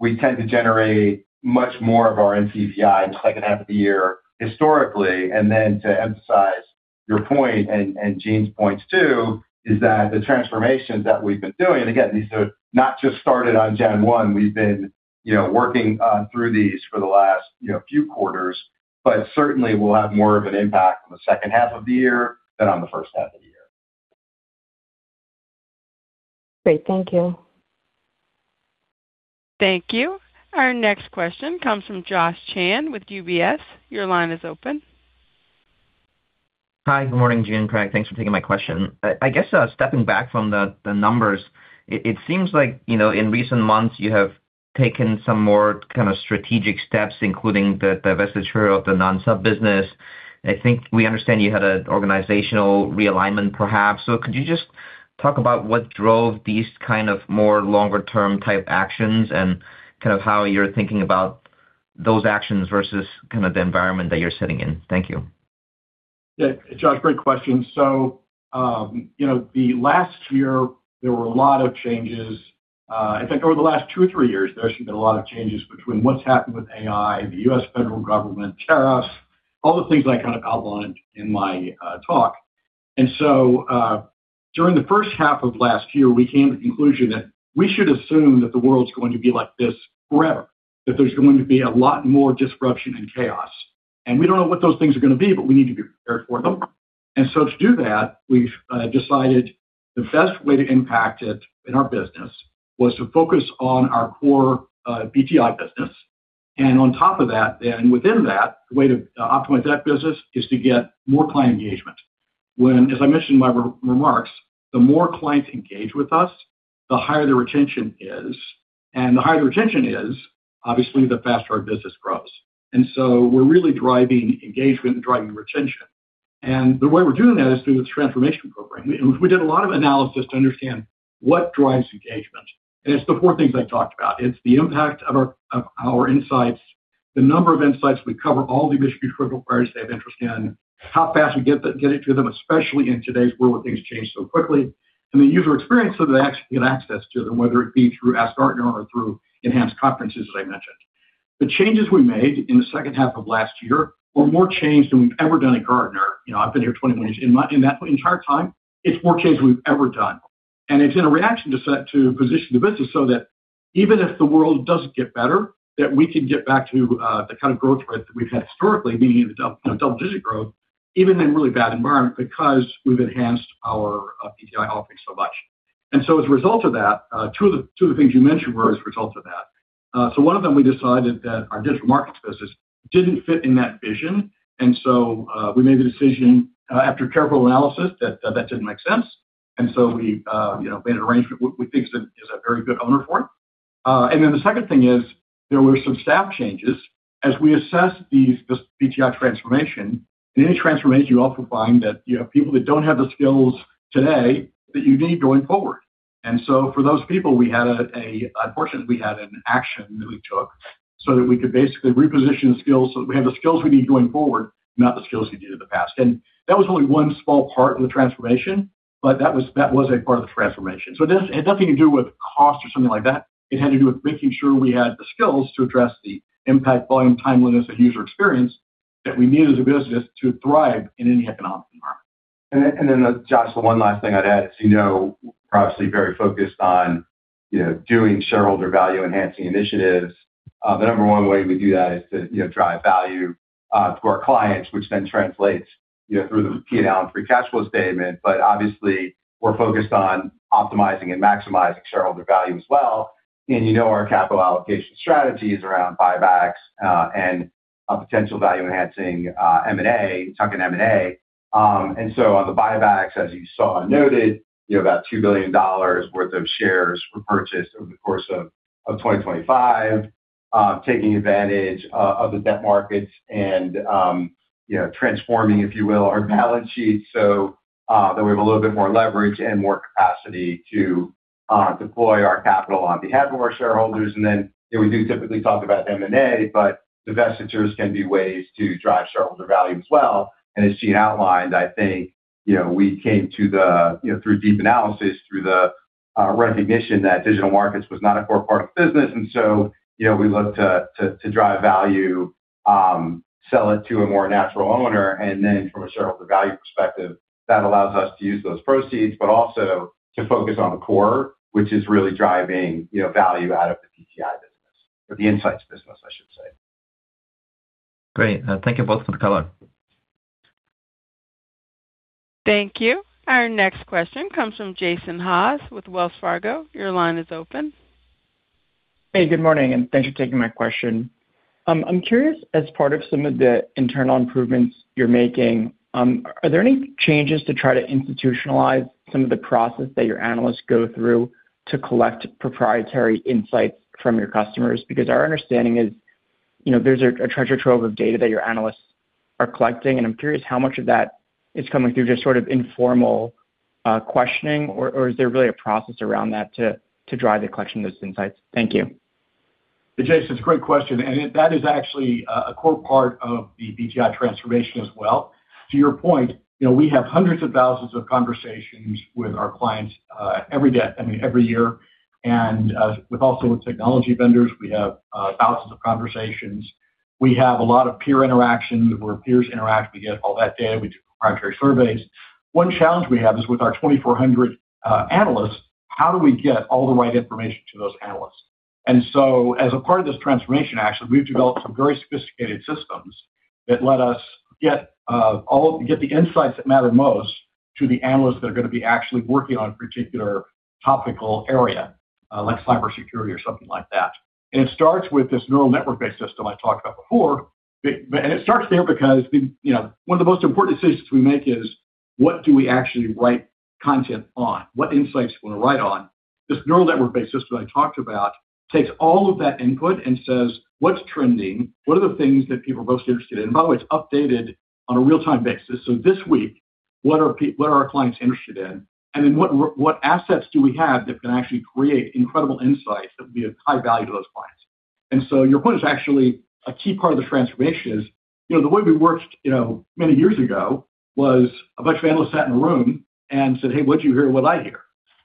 we tend to generate much more of our NCVI in the second half of the year historically, and then to emphasize your point and Gene's points, too, is that the transformations that we've been doing, again, these are not just started on January 1. We've been, you know, working through these for the last, you know, few quarters, but certainly will have more of an impact on the second half of the year than on the first half of the year. Great. Thank you. Thank you. Our next question comes from Josh Chan with UBS. Your line is open. Hi, good morning, Gene and Craig. Thanks for taking my question. I guess, stepping back from the numbers, it seems like, you know, in recent months, you have taken some more kind of strategic steps, including the divestiture of the non-sub business. I think we understand you had an organizational realignment, perhaps. So, could you just talk about what drove this kind of more longer-term type actions and kind of how you're thinking about those actions versus kind of the environment that you're sitting in? Thank you. Yeah, Josh, great question. So, you know, the last year, there were a lot of changes, in fact, over the last two or three years, there's been a lot of changes between what's happened with AI, the U.S. federal government, tariffs, all the things I kind of outlined in my talk.... And so, during the first half of last year, we came to the conclusion that we should assume that the world's going to be like this forever, that there's going to be a lot more disruption and chaos. And we don't know what those things are gonna be, but we need to be prepared for them. And so, to do that, we've decided the best way to impact it in our business was to focus on our core, BTI business. And on top of that, then within that, the way to optimize that business is to get more client engagement. When, as I mentioned in my remarks, the more clients engage with us, the higher the retention is, and the higher the retention is, obviously, the faster our business grows. And so, we're really driving engagement and driving retention. And the way we're doing that is through this transformation program. We did a lot of analysis to understand what drives engagement, and it's the four things I talked about. It's the impact of our insights, the number of insights. We cover all the industry critical priorities they have interest in, how fast we get it to them, especially in today's world, where things change so, quickly, and the user experience, so, they actually get access to them, whether it be through Ask Gartner or through enhanced conferences, as I mentioned. The changes we made in the second half of last year were more change than we've ever done at Gartner. You know, I've been here 20 years. In my in that entire time, it's more change than we've ever done. It's in a reaction to set to position the business so, that even if the world doesn't get better, that we can get back to the kind of growth rate that we've had historically, meaning the double, you know, double-digit growth, even in a really bad environment, because we've enhanced our BTI offerings so much. So, as a result of that, two of the things you mentioned were as a result of that. So, one of them, we decided that our Digital Markets business didn't fit in that vision, and so we made the decision after careful analysis that that didn't make sense. So, we you know made an arrangement with things that is a very good owner for it. And then the second thing is there were some staff changes. As we assessed these, this BTI transformation, in any transformation, you often find that you have people that don't have the skills today that you need going forward. And so, for those people, we had Unfortunately, we had an action that we took, so that we could basically reposition the skills, so that we have the skills we need going forward, not the skills we need in the past. And that was only one small part of the transformation, but that was, that was a part of the transformation. So, it has nothing to do with cost or something like that. It had to do with making sure we had the skills to address the impact, volume, timeliness, and user experience that we need as a business to thrive in any economic environment. Josh, the one last thing I'd add, as you know, we're obviously very focused on, you know, doing shareholder value-enhancing initiatives. The number one way we do that is to, you know, drive value to our clients, which then translates, you know, through the P&L and free cash flow statement. But obviously, we're focused on optimizing and maximizing shareholder value as well. And you know, our capital allocation strategy is around buybacks and a potential value-enhancing M&A, tuck-in M&A. And so on the buybacks, as you saw and noted, you know, about $2 billion worth of shares were purchased over the course of 2025. Taking advantage of the debt markets and, you know, transforming, if you will, our balance sheet so, that we have a little bit more leverage and more capacity to deploy our capital on behalf of our shareholders. Then, you know, we do typically talk about M&A, but divestitures can be ways to drive shareholder value as well. As Gene outlined, I think, you know, we came to the, you know, through deep analysis, through the recognition that Digital Markets was not a core part of the business. you know, we looked to drive value, sell it to a more natural owner, and then from a shareholder value perspective, that allows us to use those proceeds, but also to focus on the core, which is really driving, you know, value out of the BTI business or the insights business, I should say. Great. Thank you both for the color. Thank you. Our next question comes from Jason Haas with Wells Fargo. Your line is open. Hey, good morning, and thanks for taking my question. I'm curious, as part of some of the internal improvements you're making, are there any changes to try to institutionalize some of the processes that your analysts go through to collect proprietary insights from your customers? Because our understanding is, you know, there's a treasure trove of data that your analysts are collecting, and I'm curious how much of that is coming through just sort of informal questioning, or is there really a process around that to drive the collection of those insights? Thank you. Jason, it's a great question, and it, that is actually a core part of the BTI transformation as well. To your point, you know, we have hundreds of thousands of conversations with our clients every day—I mean, every year, and also with technology vendors, we have thousands of conversations. We have a lot of peer interactions, where peers interact. We get all that data. We do proprietary surveys. One challenge we have is with our 2,400 analysts, how do we get all the right information to those analysts? And so, as a part of this transformation, actually, we've developed some very sophisticated systems that let us get all of, get the insights that matter most to the analysts that are gonna be actually working on a particular topical area, like cybersecurity or something like that. And it starts with this neural network-based system I talked about before. And it starts there because the, you know, one of the most important decisions we make is: What do we actually write content on? What insights we wanna write on? This neural network-based system I talked about takes all of that input and says: What's trending? What are the things that people are most interested in? By the way, it's updated on a real-time basis. So, this week, what are our clients interested in? And then what assets do we have that can actually create incredible insights that will be of high value to those clients? And so, your point is actually a key part of the transformation is, you know, the way we worked, you know, many years ago, was a bunch of analysts sat in a room and said, "Hey, what'd you hear, and what'd I hear?"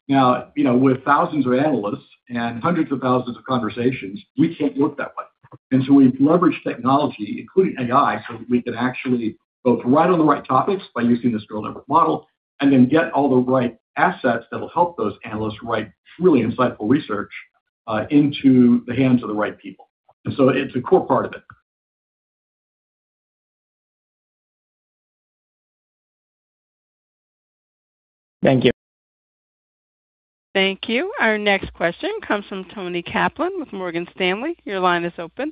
Now, you know, with thousands of analysts and hundreds of thousands of conversations, we can't work that way. And so, we've leveraged technology, including AI, so, that we can actually both write on the right topics by using this neural network model, and then get all the right assets that will help those analysts write truly insightful research into the hands of the right people. And so, it's a core part of it. Thank you. Thank you. Our next question comes from Toni Kaplan with Morgan Stanley. Your line is open.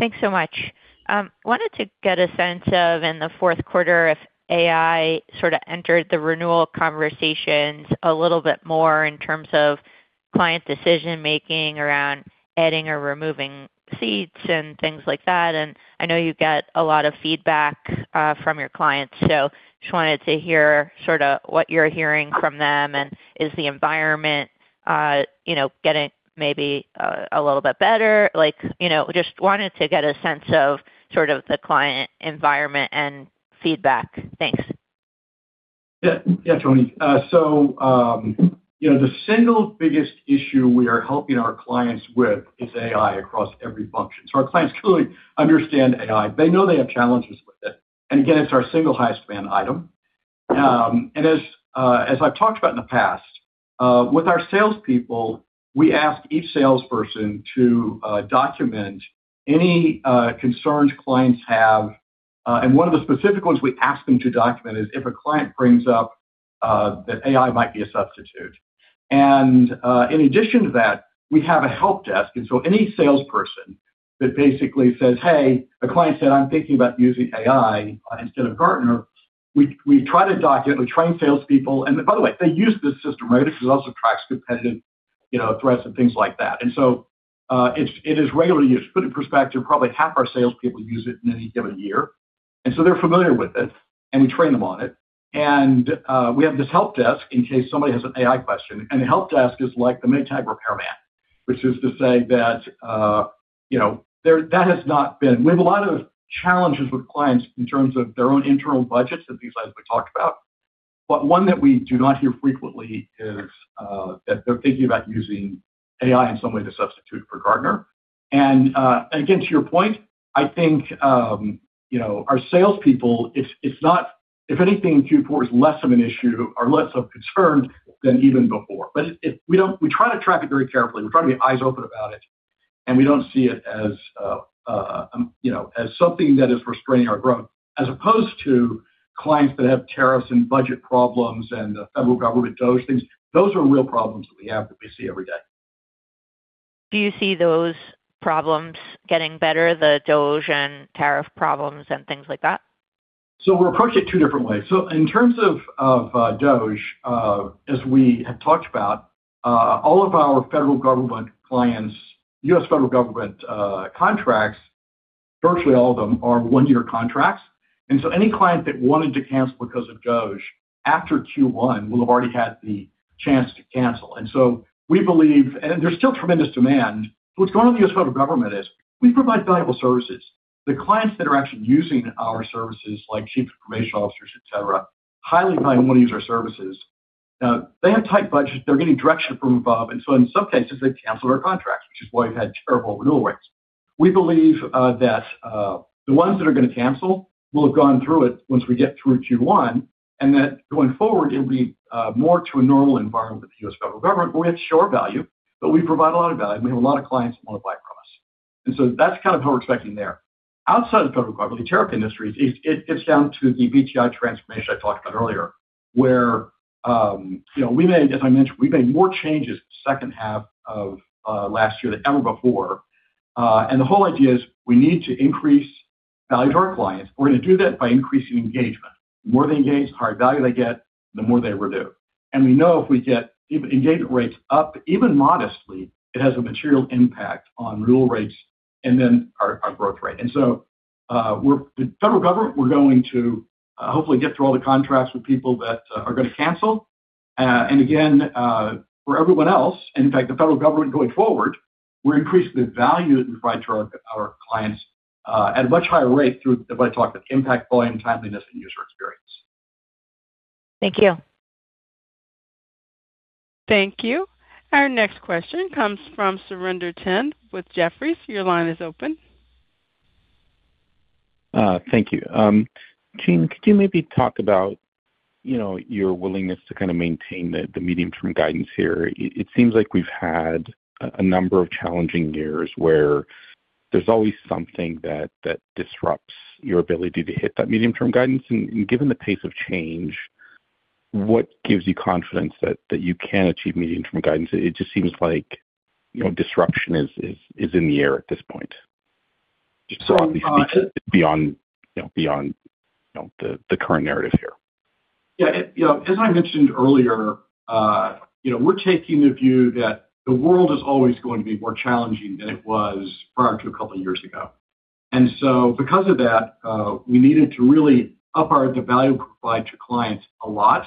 Thanks so much. Wanted to get a sense of, in the fourth quarter, if AI sort of entered the renewal conversations a little bit more in terms of client decision-making around adding or removing seats and things like that. And I know you get a lot of feedback from your clients, so just wanted to hear sorta what you're hearing from them, and is the environment, you know, getting maybe a little bit better? Like, you know, just wanted to get a sense of sort of the client environment and feedback. Thanks. Yeah. Yeah, Toni, you know, the single biggest issue we are helping our clients with is AI across every function. Our clients clearly understand AI. They know they have challenges with it. And again, it's our single highest demand item. And as I've talked about in the past, with our salespeople, we ask each salesperson to document any concerns clients have, and one of the specific ones we ask them to document is if a client brings up that AI might be a substitute. And in addition to that, we have a help desk, and so any salesperson that basically says, "Hey, the client said, I'm thinking about using AI instead of Gartner," we try to document. We train salespeople, and by the way, they use this system, right? This also tracks competitive, you know, threats and things like that. And so, it is regularly used. To put it in perspective, probably half our salespeople use it in any given year, and so they're familiar with it, and we train them on it. And, we have this help desk in case somebody has an AI question, and the help desk is like the Maytag repairman, which is to say that, you know, that has not been... We have a lot of challenges with clients in terms of their own internal budgets that these guys we talked about, but one that we do not hear frequently is, that they're thinking about using AI in some way to substitute for Gartner. And again, to your point, I think, you know, our salespeople, it's not, if anything, Q4 is less of an issue or less of concern than even before. But we try to track it very carefully. We try to be eyes open about it, and we don't see it as, you know, as something that is restraining our growth, as opposed to clients that have tariffs and budget problems and the federal government, DOGE things. Those are real problems that we have, that we see every day. Do you see those problems getting better, the DOGE and tariff problems and things like that? So, we'll approach it two different ways. So, in terms of, of, DOGE, as we have talked about, all of our federal government clients, US Federal Government, contracts, virtually all of them are one-year contracts. And so, any client that wanted to cancel because of DOGE after Q1 will have already had the chance to cancel. And so we believe, and there's still tremendous demand. What's going on in the US Federal Government is, we provide valuable services. The clients that are actually using our services, like chief information officers, et cetera, highly, highly want to use our services. Now, they have tight budgets. They're getting direction from above, and so in some cases, they've canceled our contracts, which is why we've had terrible renewal rates. We believe that the ones that are gonna cancel will have gone through it once we get through Q1, and that going forward, it'll be more to a normal environment with the US federal government, where we have to show our value, but we provide a lot of value. We have a lot of clients who want to buy from us. And so that's kind of how we're expecting there. Outside of the federal government, the tariff industry, it's down to the BTI transformation I talked about earlier, where, you know, we made, as I mentioned, we made more changes second half of last year than ever before. And the whole idea is we need to increase value to our clients. We're gonna do that by increasing engagement. The more they engage, the higher value they get, the more they renew. We know if we get engagement rates up, even modestly, it has a material impact on renewal rates and then our growth rate. So, we're the federal government, we're going to hopefully get through all the contracts with people that are gonna cancel. And again, for everyone else, and in fact, the federal government going forward, we're increasing the value that we provide to our clients at a much higher rate through what I talked about, impact, buy-in, timeliness and user experience. Thank you. Thank you. Our next question comes from Surinder Thind with Jefferies. Your line is open. Thank you. Gene, could you maybe talk about, you know, your willingness to kind of maintain the medium-term guidance here? It seems like we've had a number of challenging years, where there's always something that disrupts your ability to hit that medium-term guidance. And given the pace of change, what gives you confidence that you can achieve medium-term guidance? It just seems like, you know, disruption is in the air at this point. Just- beyond, you know, the current narrative here. Yeah, you know, as I mentioned earlier, you know, we're taking the view that the world is always going to be more challenging than it was prior to a couple of years ago. And so, because of that, we needed to really up the value provided to clients a lot,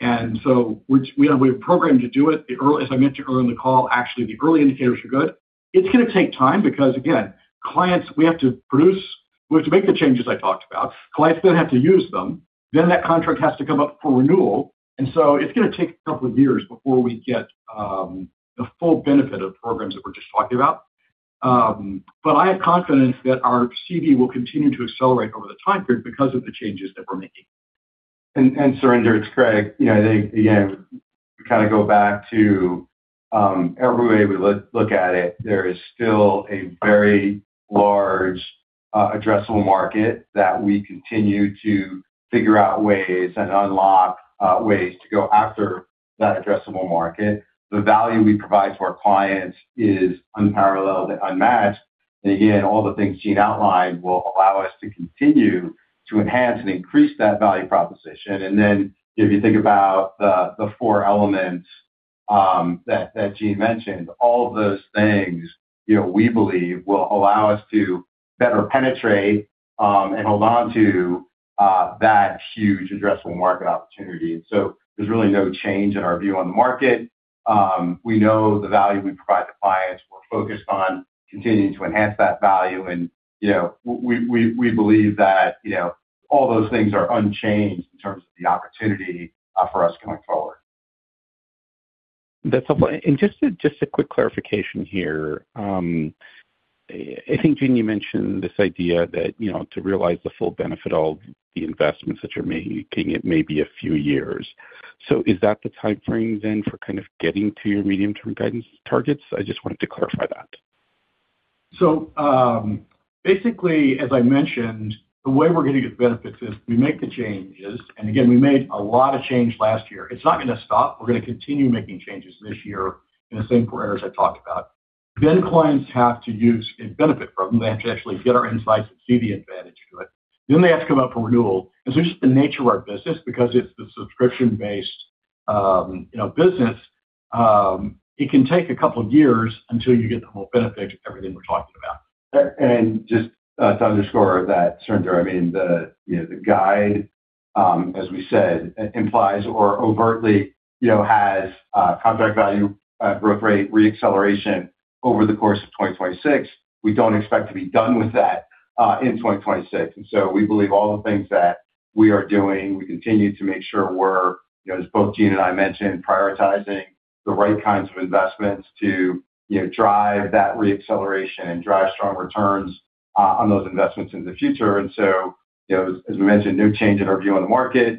and so which we have we have programmed to do it. As I mentioned earlier in the call, actually, the early indicators are good. It's gonna take time because, again, clients, we have to make the changes I talked about. Clients then have to use them, then that contract has to come up for renewal, and so it's gonna take a couple of years before we get the full benefit of programs that we're just talking about. I have confidence that our CV will continue to accelerate over the time period because of the changes that we're making. Surinder, it's Craig. You know, I think, again, to kind of go back to every way we look at it, there is still a very large addressable market that we continue to figure out ways and unlock ways to go after that addressable market. The value we provide to our clients is unparalleled and unmatched. And again, all the things' Gene outlined will allow us to continue to enhance and increase that value proposition. And then if you think about the four elements that Gene mentioned, all of those things, you know, we believe will allow us to better penetrate and hold on to that huge addressable market opportunity. So, there's really no change in our view on the market. We know the value we provide to clients. We're focused on continuing to enhance that value, and, you know, we believe that, you know, all those things are unchanged in terms of the opportunity for us going forward. That's helpful. Just a quick clarification here. I think, Gene, you mentioned this idea that, you know, to realize the full benefit of all the investments that you're making, it may be a few years. Is that the timeframe then for kind of getting to your medium-term guidance targets? I just wanted to clarify that. So, basically, as I mentioned, the way we're gonna get benefits is we make the changes, and again, we made a lot of change last year. It's not gonna stop. We're gonna continue making changes this year in the same four areas I talked about. Then, clients have to use and benefit from them. They have to actually get our insights and see the advantage to it. Then they have to come up for renewal. And so just the nature of our business, because it's the subscription-based, you know, business, it can take a couple of years until you get the whole benefit of everything we're talking about. Just to underscore that, Surinder, I mean, the, you know, the guide, as we said, implies or overtly, you know, has contract value growth rate reacceleration over the course of 2026. We don't expect to be done with that in 2026. And so, we believe all the things that we are doing, we continue to make sure we're, you know, as both Gene and I mentioned, prioritizing the right kinds of investments to, you know, drive that reacceleration and drive strong returns on those investments in the future. And so, you know, as we mentioned, no change in our view on the market.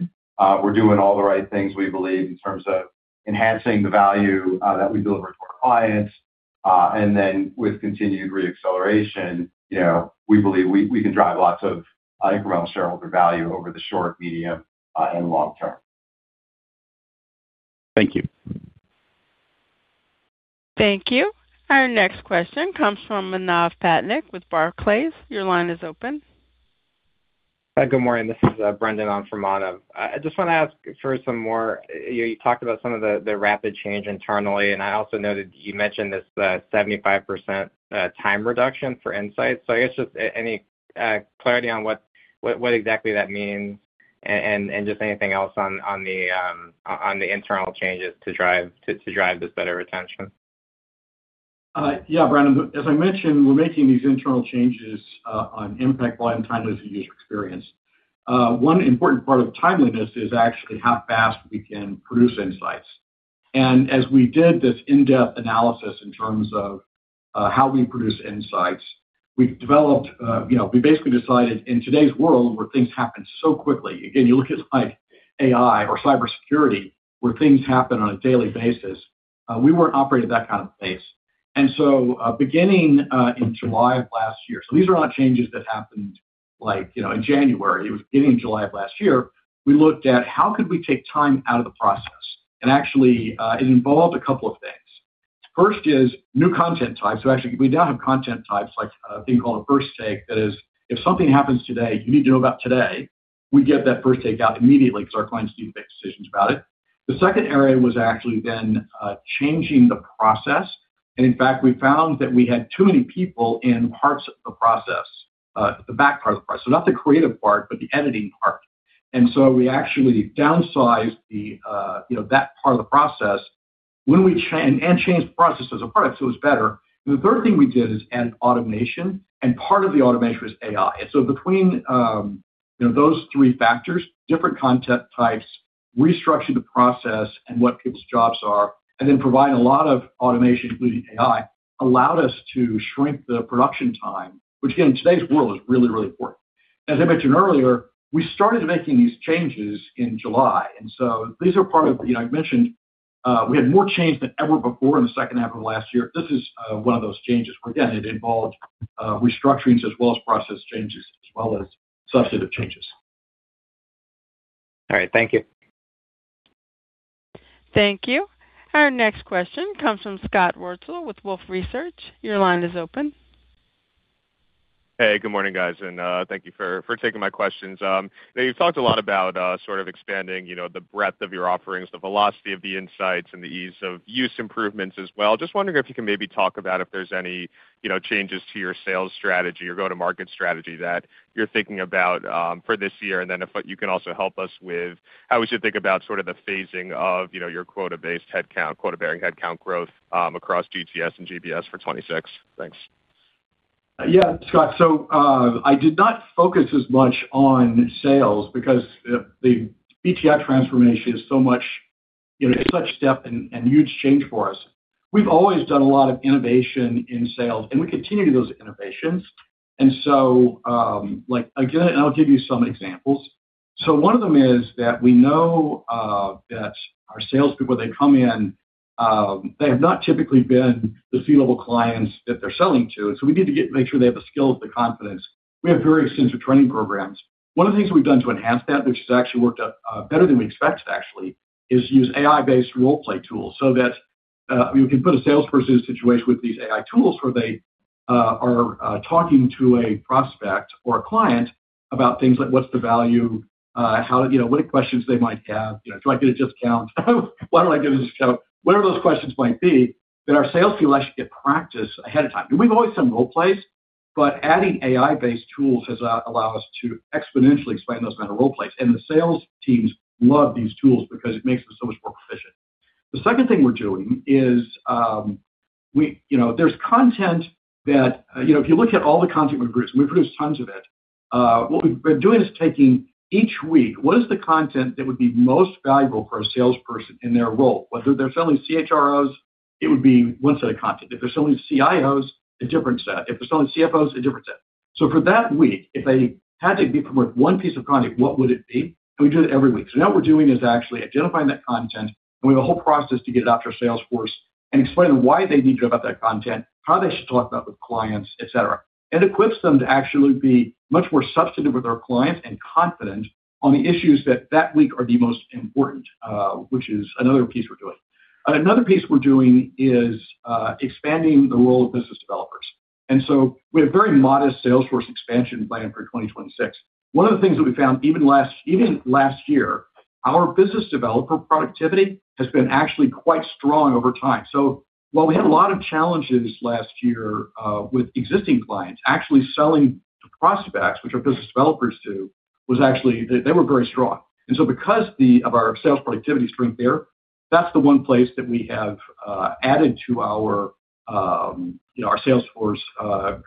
We're doing all the right things we believe in terms of enhancing the value that we deliver to our clients. And then with continued reacceleration, you know, we believe we can drive lots of incremental shareholder value over the short, medium, and long term. Thank you. Thank you. Our next question comes from Manav Patnaik with Barclays. Your line is open. Hi, good morning. This is Brendan on for Manav. I just wanna ask for some more... You talked about some of the rapid change internally, and I also noted you mentioned this 75%-time reduction for insights. So, I guess just any clarity on what exactly that means and just anything else on the internal changes to drive this better retention. Yeah, Brendan, as I mentioned, we're making these internal changes on impact, quality, and timeliness of user experience. One important part of timeliness is actually how fast we can produce insights. And as we did this in-depth analysis in terms of how we produce insights, we've developed, you know, we basically decided in today's world, where things happen so quickly, again, you look at like AI or cybersecurity, where things happen on a daily basis, we weren't operating at that kind of pace. And so, beginning in July of last year... So, these are not changes that happened like, you know, in January. It was beginning in July of last year, we looked at how could we take time out of the process? And actually, it involved a couple of things. First is new content types. So actually, we now have content types, like, thing called a First Take. That is, if something happens today, you need to know about today, we get that First Take out immediately because our clients need to make decisions about it. The second area was actually then, changing the process. And in fact, we found that we had too many people in parts of the process, the back part of the process. So not the creative part, but the editing part. And so we actually downsized the, you know, that part of the process when we changed the process as a product, so it was better. The third thing we did is add automation, and part of the automation was AI. And so between, you know, those three factors, different content types, restructure the process and what people's jobs are, and then provide a lot of automation, including AI, allowed us to shrink the production time, which, again, in today's world is really, really important. As I mentioned earlier, we started making these changes in July, and so these are part of... You know, I've mentioned, we had more change than ever before in the second half of last year. This is, one of those changes, where again, it involved, restructurings as well as process changes, as well as substantive changes. All right. Thank you. Thank you. Our next question comes from Scott Wurtzel with Wolfe Research. Your line is open. Hey, good morning, guys, and thank you for taking my questions. Now, you've talked a lot about sort of expanding, you know, the breadth of your offerings, the velocity of the insights, and the ease-of-use improvements as well. Just wondering if you can maybe talk about if there's any, you know, changes to your sales strategy or go-to-market strategy that you're thinking about for this year. And then if you can also help us with how we should think about sort of the phasing of, you know, your quota-based headcount, quota-bearing headcount growth across GTS and GBS for 2026. Thanks.... Yeah, Scott, so, I did not focus as much on sales because the BTI transformation is so much, you know, such step and huge change for us. We've always done a lot of innovation in sales, and we continue those innovations. And so, like, again, I'll give you some examples. So, one of them is that we know that our salespeople, when they come in, they have not typically been the C-level clients that they're selling to, so we need to make sure they have the skills, the confidence. We have very extensive training programs. One of the things we've done to enhance that, which has actually worked out better than we expected, actually, is use AI-based role-play tools so that we can put a salesperson in a situation with these AI tools where they are talking to a prospect or a client about things like what's the value, you know, what questions they might have. You know, do I get a discount? Why do I get a discount? Whatever those questions might be, that our salespeople actually get practice ahead of time. And we've always done role plays, but adding AI-based tools has allowed us to exponentially expand those kinds of role plays. And the sales teams love these tools because it makes them so much more efficient. The second thing we're doing is, you know, there's content. You know, if you look at all the content we produce, and we produce tons of it, what we've been doing is taking each week, what is the content that would be most valuable for a salesperson in their role? Whether they're selling to CHROs, it would be one set of content. If they're selling to CIOs, a different set. If they're selling to CFOs, a different set. So, for that week, if they had to promote one piece of content, what would it be? And we do that every week. So, now what we're doing is actually identifying that content, and we have a whole process to get it out to our sales force and explain to them why they need to go about that content, how they should talk about with clients, et cetera. It equips them to actually be much more substantive with our clients and confident on the issues that that week are the most important, which is another piece we're doing. Another piece we're doing is expanding the role of business developers. And so, we have very modest sales force expansion plan for 2026. One of the things that we found even last, even last year, our business developer productivity has been actually quite strong over time. So, while we had a lot of challenges last year with existing clients, actually selling to prospects, which our business developers do, was actually, they, they were very strong. And so, because of our sales productivity strength there, that's the one place that we have, you know, our sales force,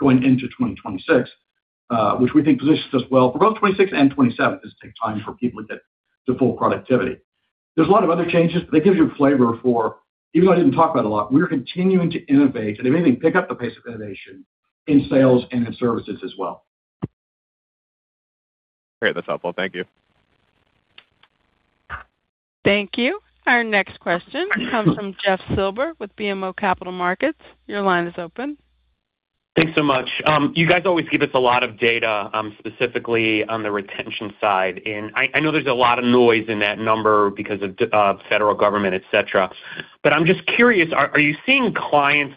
going into 2026, which we think positions us well for both 2026 and 2027, as it takes time for people to get to full productivity. There's a lot of other changes, but that gives you a flavor for... Even though I didn't talk about it a lot, we are continuing to innovate and, if anything, pick up the pace of innovation in sales and in services as well. Great. That's helpful. Thank you. Thank you. Our next question comes from Jeff Silber with BMO Capital Markets. Your line is open. Thanks so much. You guys always give us a lot of data, specifically on the retention side. I know there's a lot of noise in that number because of federal government, et cetera. But I'm just curious, are you seeing clients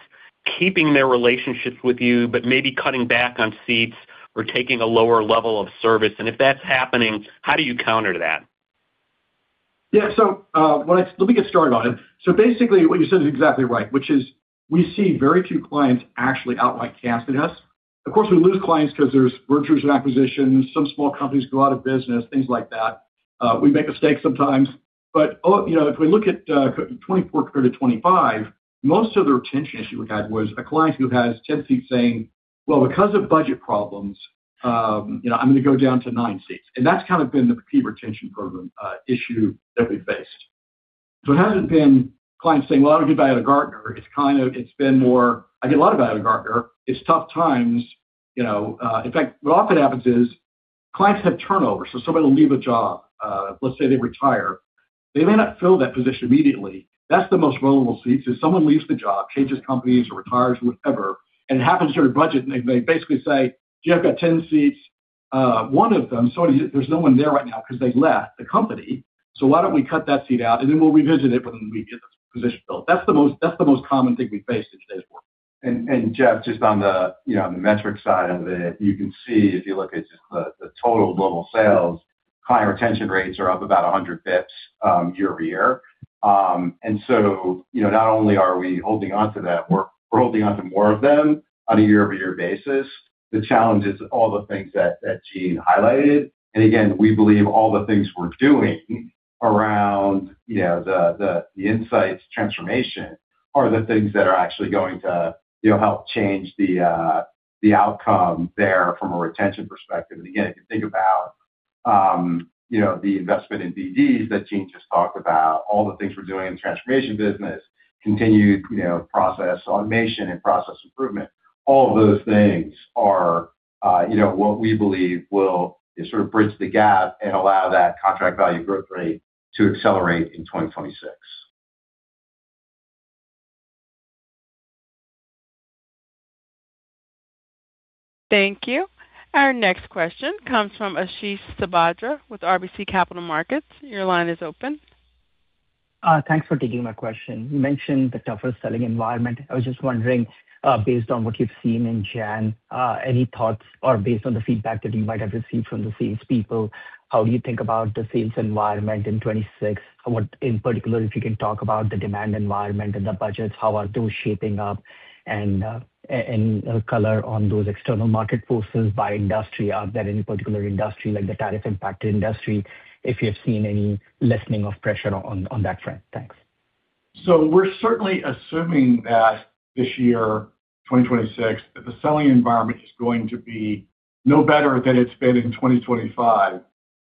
keeping their relationships with you, but maybe cutting back on seats or taking a lower level of service? And if that's happening, how do you counter that? Yeah. So, let me get started on it. So basically, what you said is exactly right, which is we see very few clients actually outright canceling us. Of course, we lose clients because there's mergers and acquisitions, some small companies go out of business, things like that. We make mistakes sometimes. But you know, if we look at 2024 through to 2025, most of the retention issue we had was a client who has 10 seats saying, "Well, because of budget problems, you know, I'm gonna go down to nine seats." And that's kind of been the key retention program issue that we faced. So, it hasn't been clients saying, "Well, I'll get back to Gartner." It's kind of, it's been more, "I get a lot of value out of Gartner. It's tough times," you know. In fact, what often happens is clients have turnover, so somebody will leave a job, let's say they retire. They may not fill that position immediately. That's the most vulnerable seats, is someone leaves the job, changes companies or retires, whatever, and it happens to their budget, and they, they basically say, "You have got 10 seats. One of them, sorry, there's no one there right now because they've left the company, so why don't we cut that seat out, and then we'll revisit it when we get the position filled?" That's the most, that's the most common thing we face in today's world. And Jeff, just on the, you know, on the metric side of it, you know, if you look at just the total global sales, client retention rates are up about 100 basis points year-over-year. And so, you know, not only are we holding onto that, we're holding onto more of them on a year-over-year basis. The challenge is all the things that Gene highlighted. And again, we believe all the things we're doing around, you know, the insights transformation are the things that are actually going to, you know, help change the outcome there from a retention perspective. And again, if you think about, you know, the investment in BDs that Gene just talked about, all the things we're doing in the transformation business, continued, you know, process automation and process improvement, all of those things are, you know, what we believe will sort of bridge the gap and allow that contract value growth rate to accelerate in 2026. Thank you. Our next question comes from Ashish Sabadra with RBC Capital Markets. Your line is open. Thanks for taking my question. You mentioned the tougher selling environment. I was just wondering, based on what you've seen in January, any thoughts or based on the feedback that you might have received from the salespeople, how do you think about the sales environment in 2026? What, in particular, if you can talk about the demand environment and the budgets, how are those shaping up? And color on those external market forces by industry. Are there any particular industry, like the tariff impacted industry, if you've seen any lessening of pressure on that front? Thanks.... So we're certainly assuming that this year, 2026, that the selling environment is going to be no better than it's been in 2025,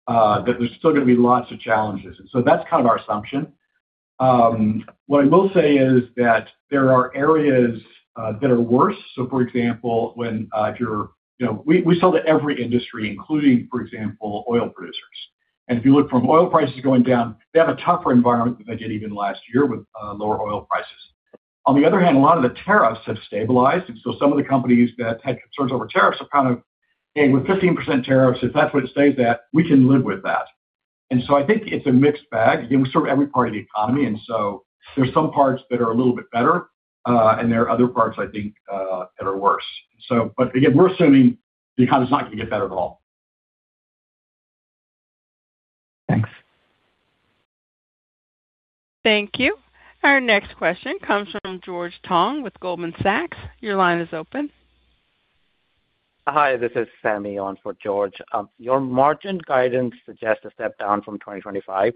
that there's still gonna be lots of challenges. So that's kind of our assumption. What I will say is that there are areas that are worse. So, for example, you know, we sell to every industry, including, for example, oil producers. And if you look from oil prices going down, they have a tougher environment than they did even last year with lower oil prices. On the other hand, a lot of the tariffs have stabilized, and so some of the companies that had concerns over tariffs are kind of, "Hey, with 15% tariffs, if that's where it stays at, we can live with that." And so I think it's a mixed bag. Again, we serve every part of the economy, and so there's some parts that are a little bit better, and there are other parts, I think, that are worse. So but, again, we're assuming the economy is not gonna get better at all. Thanks. Thank you. Our next question comes from George Tong with Goldman Sachs. Your line is open. Hi, this is Sammy on for George. Your margin guidance suggests a step down from 25.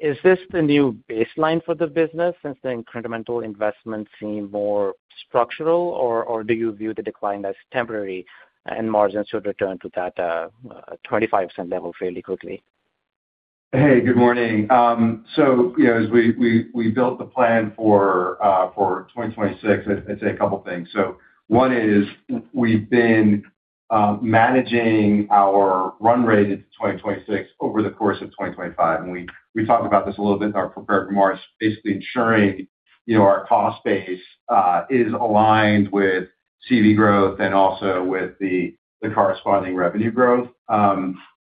Is this the new baseline for the business since the incremental investments seem more structural, or, or do you view the decline as temporary and margins should return to that 25% level fairly quickly? Hey, good morning. So, you know, as we built the plan for 2026, I'd say a couple things. So one is we've been managing our run rate into 2026 over the course of 2025, and we talked about this a little bit in our prepared remarks, basically ensuring, you know, our cost base is aligned with CV growth and also with the corresponding revenue growth.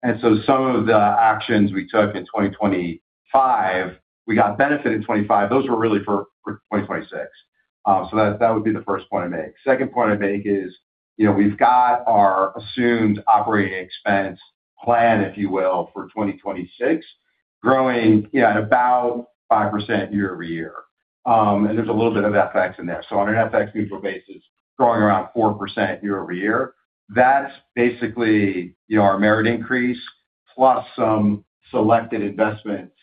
And so some of the actions we took in 2025, we got benefit in 25, those were really for 2026. So that would be the first point I'd make. Second point I'd make is, you know, we've got our assumed operating expense plan, if you will, for 2026, growing at about 5% year-over-year. And there's a little bit of FX in there. So on an FX neutral basis, growing around 4% year-over-year, that's basically, you know, our merit increase, plus some selected investments,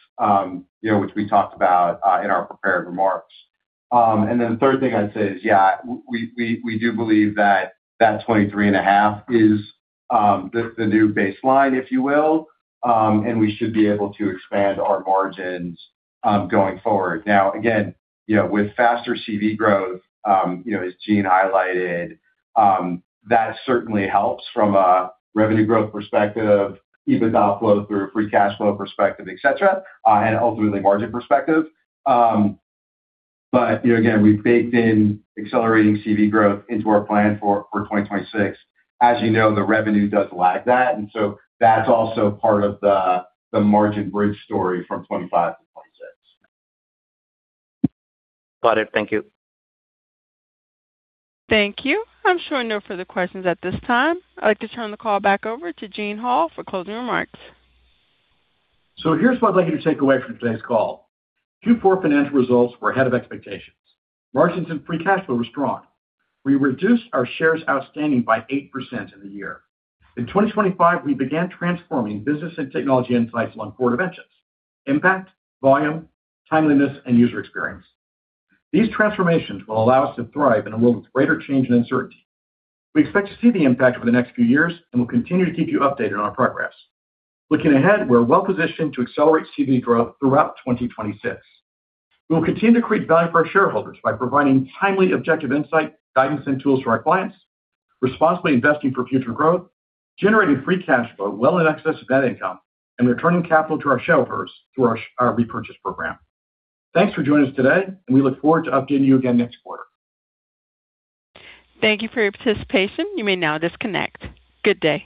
you know, which we talked about in our prepared remarks. And then the third thing I'd say is, yeah, we do believe that that 23.5 is the new baseline, if you will, and we should be able to expand our margins going forward. Now, again, you know, with faster CV growth, you know, as Gene highlighted, that certainly helps from a revenue growth perspective, EBITDA flow through free cash flow perspective, et cetera, and ultimately margin perspective. But, you know, again, we've baked in accelerating CV growth into our plan for 2026. As you know, the revenue does lag that, and so that's also part of the margin bridge story from 2025 to 2026. Got it. Thank you. Thank you. I'm showing no further questions at this time. I'd like to turn the call back over to Gene Hall for closing remarks. So, here's what I'd like you to take away from today's call. Q4 financial results were ahead of expectations. Margins and free cash flow were strong. We reduced our shares outstanding by 8% in the year. In 2025, we began transforming Business and Technology Insights on four dimensions: impact, volume, timeliness, and user experience. These transformations will allow us to thrive in a world with greater change and uncertainty. We expect to see the impact over the next few years, and we'll continue to keep you updated on our progress. Looking ahead, we're well positioned to accelerate CV growth throughout 2026. We will continue to create value for our shareholders by providing timely, objective insight, guidance, and tools to our clients, responsibly investing for future growth, generating free cash flow well in excess of net income, and returning capital to our shareholders through our share repurchase program. Thanks for joining us today, and we look forward to updating you again next quarter. Thank you for your participation. You may now disconnect. Good day!